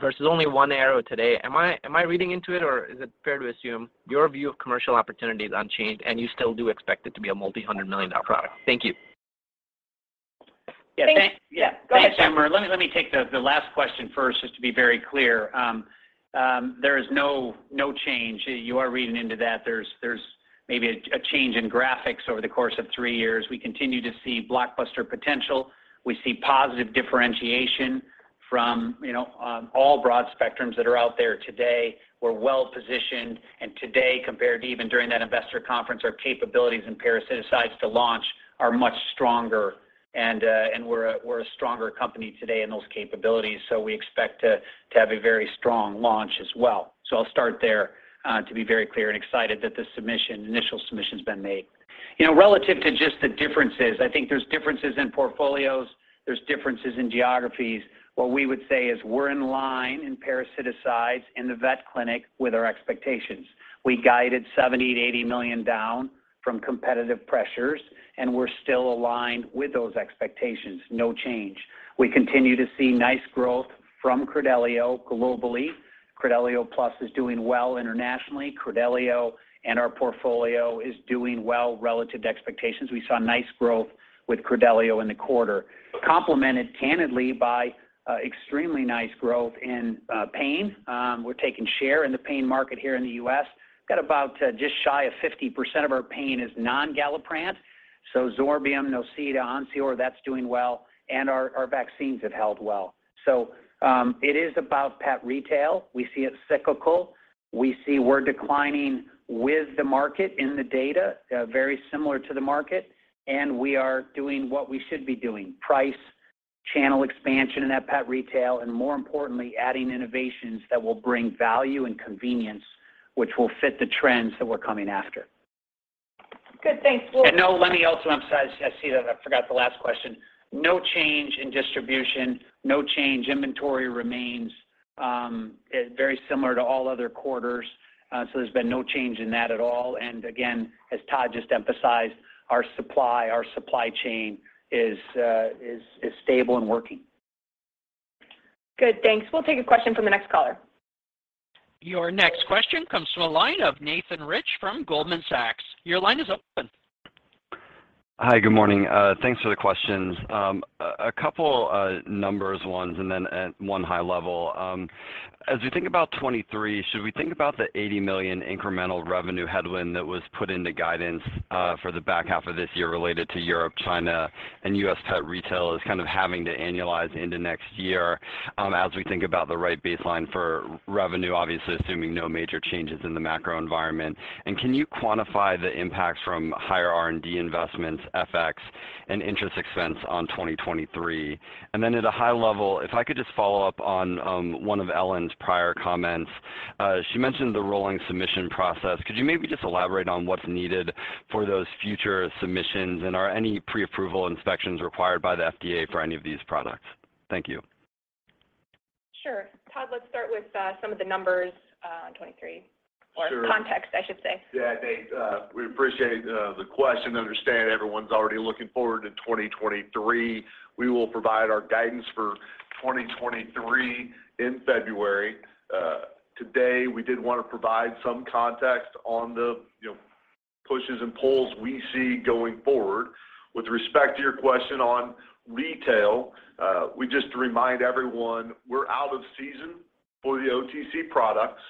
versus only one arrow today. Am I reading into it or is it fair to assume your view of commercial opportunity is unchanged and you still do expect it to be a $multi-hundred million dollar product? Thank you. Thanks. Yeah. Go ahead, Jeff. Thanks, Umer. Let me take the last question first, just to be very clear. There is no change. You are reading into that. There's maybe a change in graphics over the course of three years. We continue to see blockbuster potential. We see positive differentiation from all broad spectrums that are out there today. We're well-positioned, and today, compared to even during that investor conference, our capabilities in parasiticides to launch are much stronger and we're a stronger company today in those capabilities, so we expect to have a very strong launch as well. I'll start there, to be very clear and excited that the initial submission's been made. Relative to just the differences, I think there's differences in portfolios, there's differences in geographies. What we would say is we're in line in parasiticides in the vet clinic with our expectations. We guided $70 million-$80 million down from competitive pressures, and we're still aligned with those expectations. No change. We continue to see nice growth from Credelio globally. Credelio Plus is doing well internationally. Credelio and our portfolio is doing well relative to expectations. We saw nice growth with Credelio in the quarter, complemented candidly by extremely nice growth in pain. We're taking share in the pain market here in the U.S. Got about just shy of 50% of our pain is non-Galliprant. So Zorbium, Nocita, Onsior, that's doing well, and our vaccines have held well. It is about pet retail. We see it cyclical. We see we're declining with the market in the data, very similar to the market, and we are doing what we should be doing, price, channel expansion in that pet retail, and more importantly, adding innovations that will bring value and convenience, which will fit the trends that we're coming after. Good. Thanks. No, let me also emphasize. I see that I forgot the last question. No change in distribution. No change. Inventory remains very similar to all other quarters. So there's been no change in that at all. Again, as Todd Young just emphasized, our supply chain is stable and working. Good, thanks. We'll take a question from the next caller. Your next question comes from the line of Nathan Rich from Goldman Sachs. Your line is open. Hi, good morning. Thanks for the questions. A couple number ones and then one high level. As we think about 2023, should we think about the $80 million incremental revenue headwind that was put into guidance for the back half of this year related to Europe, China, and U.S. pet retail as kind of having to annualize into next year as we think about the right baseline for revenue, obviously assuming no major changes in the macro environment. Can you quantify the impacts from higher R&D investments, FX, and interest expense on 2023? Then at a high level, if I could just follow up on one of Ellen's prior comments. She mentioned the rolling submission process. Could you maybe just elaborate on what's needed for those future submissions? Are any pre-approval inspections required by the FDA for any of these products? Thank you. Sure. Todd, let's start with some of the numbers on 2023. Sure. Context, I should say. Yeah. Thanks. We appreciate the question. We understand everyone's already looking forward to 2023. We will provide our guidance for 2023 in February. Today, we did want to provide some context on the, you know, pushes and pulls we see going forward. With respect to your question on retail, we just remind everyone we're out of season for the OTC products.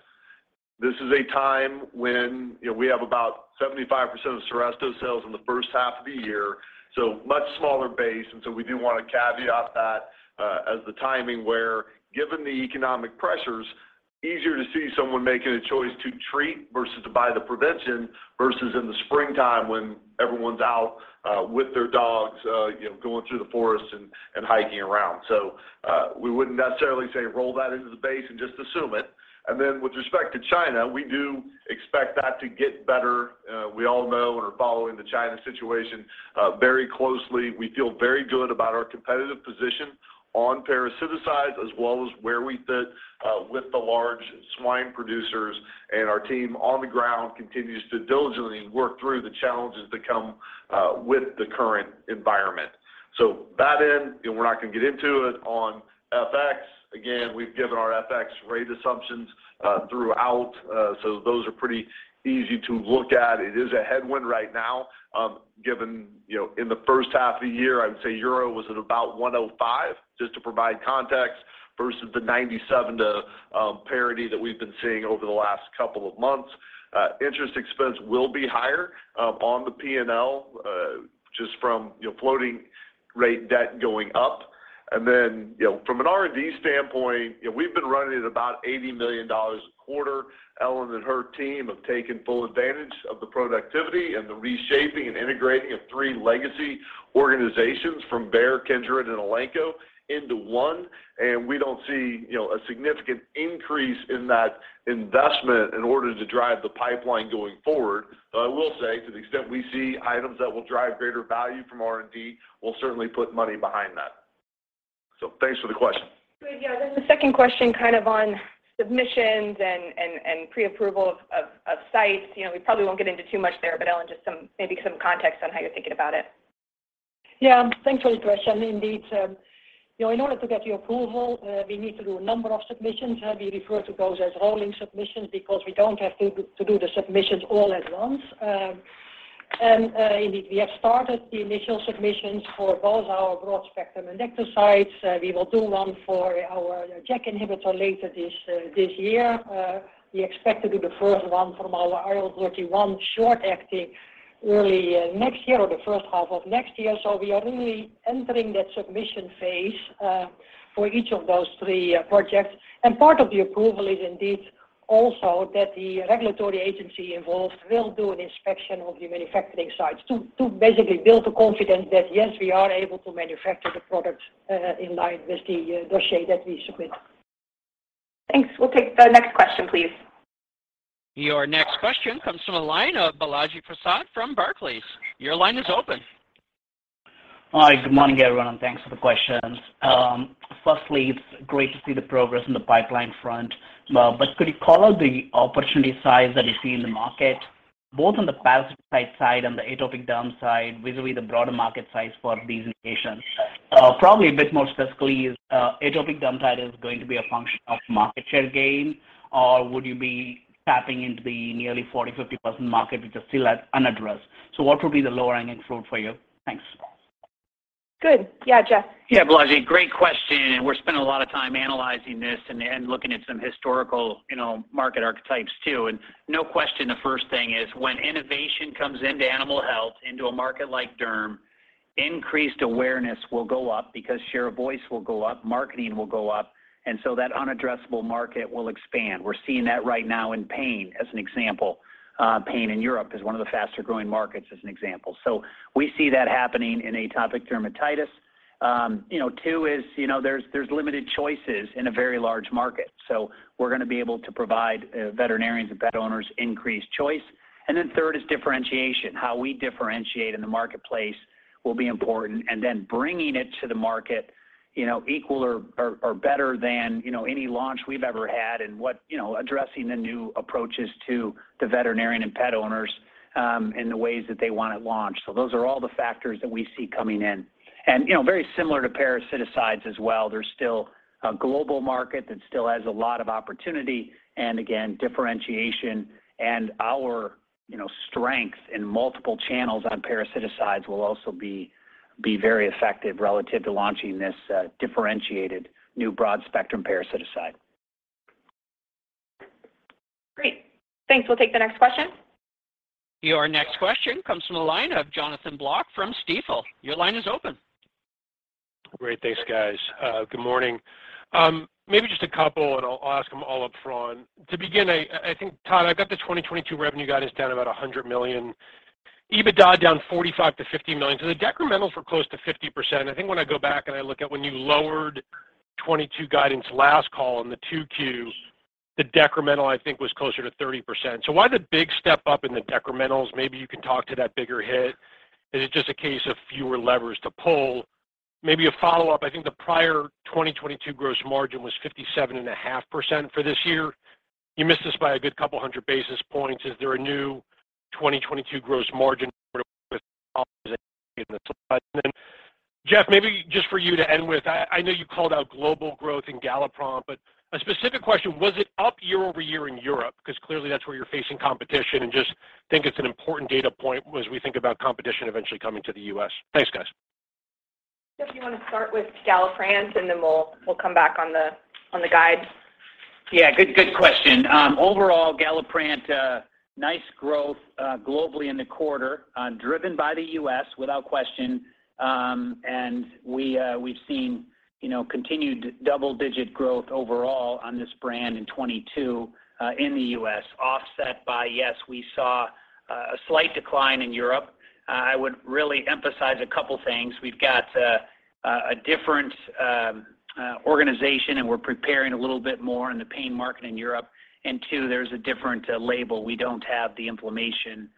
This is a time when, you know, we have about 75% of Seresto sales in the first half of the year, so much smaller base. We do want to caveat that, as the timing where, given the economic pressures, easier to see someone making a choice to treat versus to buy the prevention versus in the springtime when everyone's out, with their dogs, you know, going through the forest and hiking around. We wouldn't necessarily say roll that into the base and just assume it. With respect to China, we do expect that to get better. We all know and are following the China situation very closely. We feel very good about our competitive position on parasiticides, as well as where we fit with the large swine producers. Our team on the ground continues to diligently work through the challenges that come with the current environment. We're not gonna get into it on FX. Again, we've given our FX rate assumptions throughout, so those are pretty easy to look at. It is a headwind right now, given you know in the first half of the year, I would say euro was at about 1.05, just to provide context, versus the 0.97 to parity that we've been seeing over the last couple of months. Interest expense will be higher on the P&L, just from you know floating rate debt going up. Then, you know, from an R&D standpoint, you know, we've been running at about $80 million a quarter. Ellen and her team have taken full advantage of the productivity and the reshaping and integrating of three legacy organizations from Bayer, Kindred, and Elanco into one. We don't see you know a significant increase in that investment in order to drive the pipeline going forward. I will say to the extent we see items that will drive greater value from R&D, we'll certainly put money behind that. Thanks for the question. Great. Yeah. The second question kind of on submissions and pre-approval of sites. You know, we probably won't get into too much there, but Ellen, just some, maybe some context on how you're thinking about it. Yeah. Thanks for the question. Indeed, you know, in order to get the approval, we need to do a number of submissions. We refer to those as rolling submissions because we don't have to to do the submissions all at once. Indeed, we have started the initial submissions for both our broad-spectrum endectocides. We will do one for our JAK inhibitor later this year. We expect to do the first one from our IL-31 short-acting early next year or the first half of next year. We are really entering that submission phase for each of those three projects. Part of the approval is indeed also that the regulatory agency involved will do an inspection of the manufacturing sites to basically build the confidence that, yes, we are able to manufacture the product in line with the dossier that we submit. Thanks. We'll take the next question, please. Your next question comes from the line of Balaji Prasad from Barclays. Your line is open. Hi. Good morning, everyone, and thanks for the questions. Firstly, it's great to see the progress in the pipeline front. Could you call out the opportunity size that you see in the market, both on the parasite side and the atopic derm side, vis-à-vis the broader market size for these indications? Probably a bit more specifically, atopic derm side is going to be a function of market share gain, or would you be tapping into the nearly 40-50% market which is still unaddressed? What would be the leading influence for you? Thanks. Good. Yeah, Jeff. Yeah, Balaji, great question, and we're spending a lot of time analyzing this and looking at some historical, you know, market archetypes too. No question, the first thing is when innovation comes into animal health, into a market like derm, increased awareness will go up because share of voice will go up, marketing will go up, and so that unaddressable market will expand. We're seeing that right now in pain, as an example. Pain in Europe is one of the faster-growing markets, as an example. We see that happening in atopic dermatitis. You know, two is, you know, there's limited choices in a very large market. So we're gonna be able to provide veterinarians and pet owners increased choice. Then third is differentiation. How we differentiate in the marketplace will be important. Bringing it to the market, you know, equal or better than, you know, any launch we've ever had, and, you know, addressing the new approaches to the veterinarian and pet owners in the ways that they want it launched. Those are all the factors that we see coming in. You know, very similar to parasiticides as well, there's still a global market that still has a lot of opportunity, and again, differentiation and our, you know, strength in multiple channels on parasiticides will also be very effective relative to launching this differentiated new broad spectrum parasiticides. Great. Thanks. We'll take the next question. Your next question comes from the line of Jonathan Block from Stifel. Your line is open. Great. Thanks, guys. Good morning. Maybe just a couple, and I'll ask them all up front. To begin, I think, Todd, I got the 2022 revenue guidance down about $100 million, EBITDA down $45 million-$50 million. So the decrementals were close to 50%. I think when I go back and I look at when you lowered 2022 guidance last call in the 2Q, the decremental I think was closer to 30%. So why the big step up in the decrementals? Maybe you can talk to that bigger hit. Is it just a case of fewer levers to pull? Maybe a follow-up. I think the prior 2022 gross margin was 57.5% for this year. You missed this by a good couple hundred basis points. Is there a new 2022 gross margin. Jeff, do you wanna start with Galliprant, and then we'll come back on the guide? Yeah. Good question. Overall, Galliprant, nice growth globally in the quarter, driven by the US without question. We've seen, you know, continued double-digit growth overall on this brand in 2022 in the US, offset by, yes, we saw a slight decline in Europe. I would really emphasize a couple things. We've got a different organization, and we're preparing a little bit more in the pain market in Europe. Two, there's a different label. We don't have the inflammation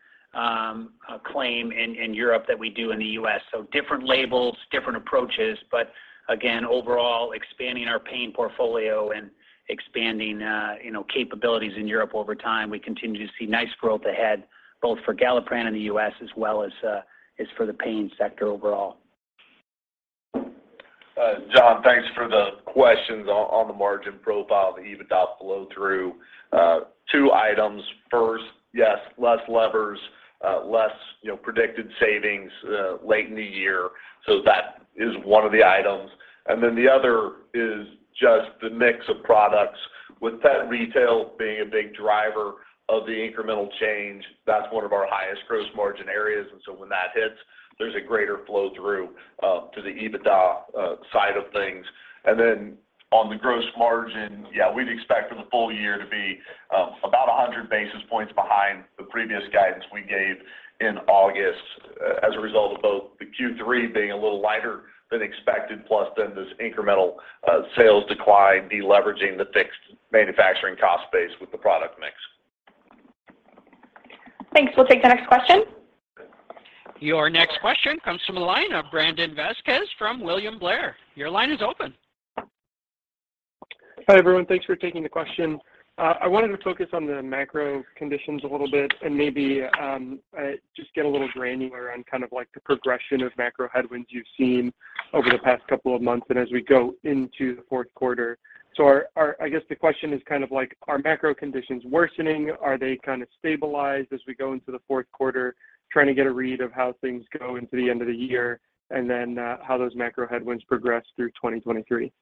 claim in Europe that we do in the US. Different labels, different approaches. Again, overall, expanding our pain portfolio and expanding, you know, capabilities in Europe over time, we continue to see nice growth ahead both for Galliprant in the U.S. as well as for the pain sector overall. John, thanks for the questions on the margin profile, the EBITDA flow-through. Two items. First, yes, less levers, less, you know, predicted savings late in the year. That is one of the items. Then the other is just the mix of products. With pet retail being a big driver of the incremental change, that's one of our highest gross margin areas. When that hits, there's a greater flow through to the EBITDA side of things. On the gross margin, yeah, we'd expect for the full year to be about 100 basis points behind the previous guidance we gave in August as a result of both the Q3 being a little lighter than expected, plus then this incremental sales decline deleveraging the fixed manufacturing cost base with the product mix. Thanks. We'll take the next question. Your next question comes from the line of Brandon Vazquez from William Blair. Your line is open. Hi, everyone. Thanks for taking the question. I wanted to focus on the macro conditions a little bit and maybe just get a little granular on kind of like the progression of macro headwinds you've seen over the past couple of months and as we go into the fourth quarter. I guess the question is kind of like, are macro conditions worsening? Are they kind of stabilized as we go into the fourth quarter? Trying to get a read of how things go into the end of the year and then how those macro headwinds progress through 2023.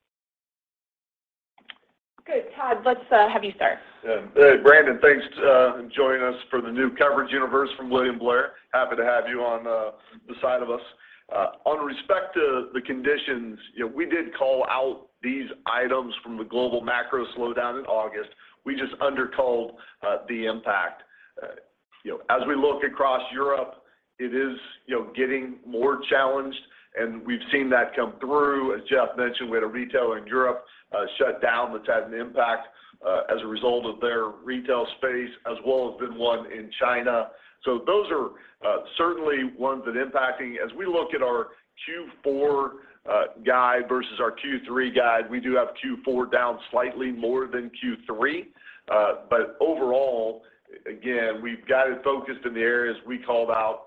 Okay, Todd, let's have you start. Yeah. Hey, Brandon, thanks for joining us for the new coverage universe from William Blair. Happy to have you on this side of us. With respect to the conditions, you know, we did call out these items from the global macro slowdown in August. We just under-called the impact. You know, as we look across Europe, it is, you know, getting more challenged, and we've seen that come through. As Jeff mentioned, we had a retailer in Europe shut down that's had an impact as a result of their retail space, as well as one in China. So those are certainly ones that impacting. As we look at our Q4 guide versus our Q3 guide, we do have Q4 down slightly more than Q3. Overall, again, we've got it focused in the areas we called out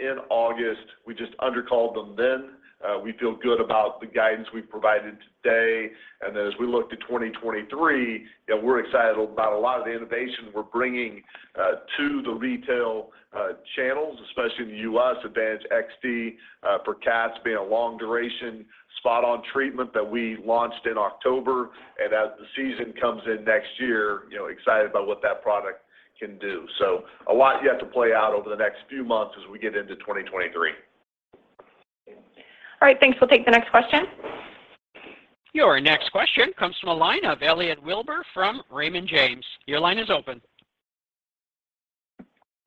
in August. We just under-called them then. We feel good about the guidance we've provided today. As we look to 2023, you know, we're excited about a lot of the innovation we're bringing to the retail channels, especially in the U.S. Advantage XD for cats being a long duration spot-on treatment that we launched in October. As the season comes in next year, you know, excited about what that product can do. A lot yet to play out over the next few months as we get into 2023. All right. Thanks. We'll take the next question. Your next question comes from a line of Elliot Wilbur from Raymond James. Your line is open.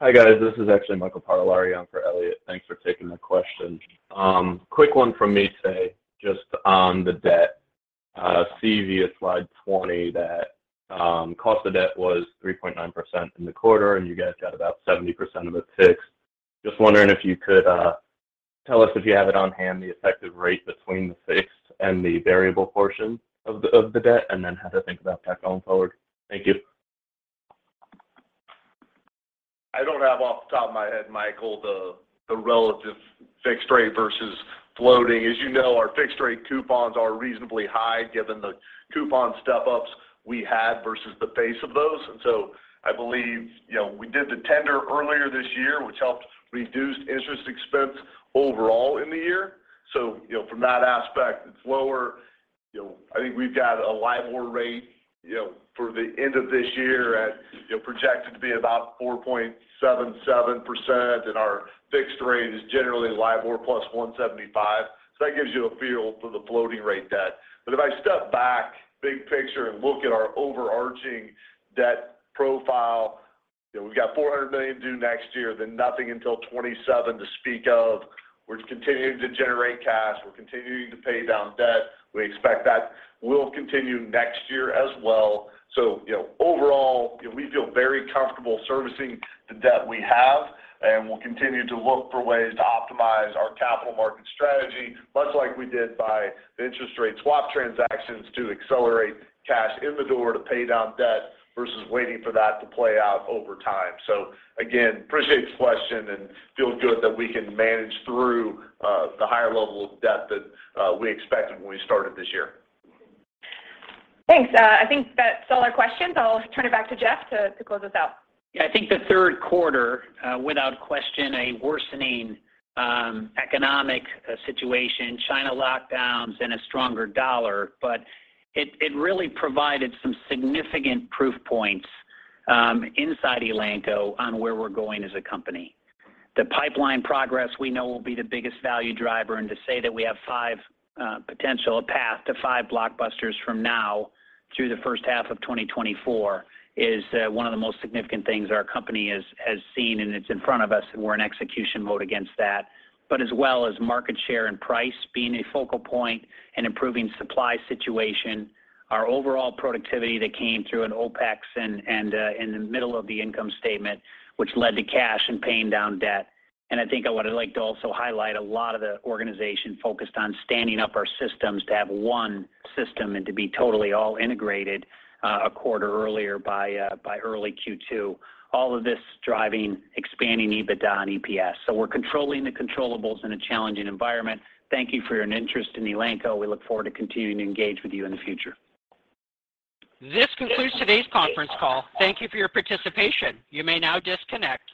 Hi, guys. This is actually Mike Ryskin. I'm for Elliot Wilbur. Thanks for taking the question. Quick one from me, say, just on the debt. See via slide 20 that cost of debt was 3.9% in the quarter, and you guys got about 70% of it fixed. Just wondering if you could tell us if you have it on hand, the effective rate between the fixed and the variable portion of the debt, and then how to think about that going forward. Thank you. I don't have off the top of my head, Michael, the relative fixed rate versus floating. As you know, our fixed rate coupons are reasonably high given the coupon step-ups we had versus the pace of those. I believe, you know, we did the tender earlier this year, which helped reduce interest expense overall in the year. You know, from that aspect, it's lower. You know, I think we've got a LIBOR rate, you know, for the end of this year at, you know, projected to be about 4.77%, and our fixed rate is generally LIBOR plus 175. That gives you a feel for the floating rate debt. If I step back, big picture, and look at our overarching debt profile, you know, we've got $400 million due next year, then nothing until 2027 to speak of. We're continuing to generate cash. We're continuing to pay down debt. We expect that will continue next year as well. You know, overall, you know, we feel very comfortable servicing the debt we have, and we'll continue to look for ways to optimize our capital market strategy, much like we did by the interest rate swap transactions to accelerate cash in the door to pay down debt versus waiting for that to play out over time. Again, appreciate the question and feel good that we can manage through the higher level of debt that we expected when we started this year. Thanks. I think that's all our questions. I'll turn it back to Jeff to close us out. Yeah. I think the third quarter, without question, a worsening economic situation, China lockdowns and a stronger dollar, but it really provided some significant proof points inside Elanco on where we're going as a company. The pipeline progress we know will be the biggest value driver, and to say that we have five potential path to five blockbusters from now through the first half of 2024 is one of the most significant things our company has seen, and it's in front of us, and we're in execution mode against that. As well as market share and price being a focal point and improving supply situation, our overall productivity that came through in OpEx and in the middle of the income statement, which led to cash and paying down debt. I think I would like to also highlight a lot of the organization focused on standing up our systems to have one system and to be totally all integrated, a quarter earlier by early Q2. All of this driving, expanding EBITDA and EPS. We're controlling the controllables in a challenging environment. Thank you for your interest in Elanco. We look forward to continuing to engage with you in the future. This concludes today's conference call. Thank you for your participation. You may now disconnect.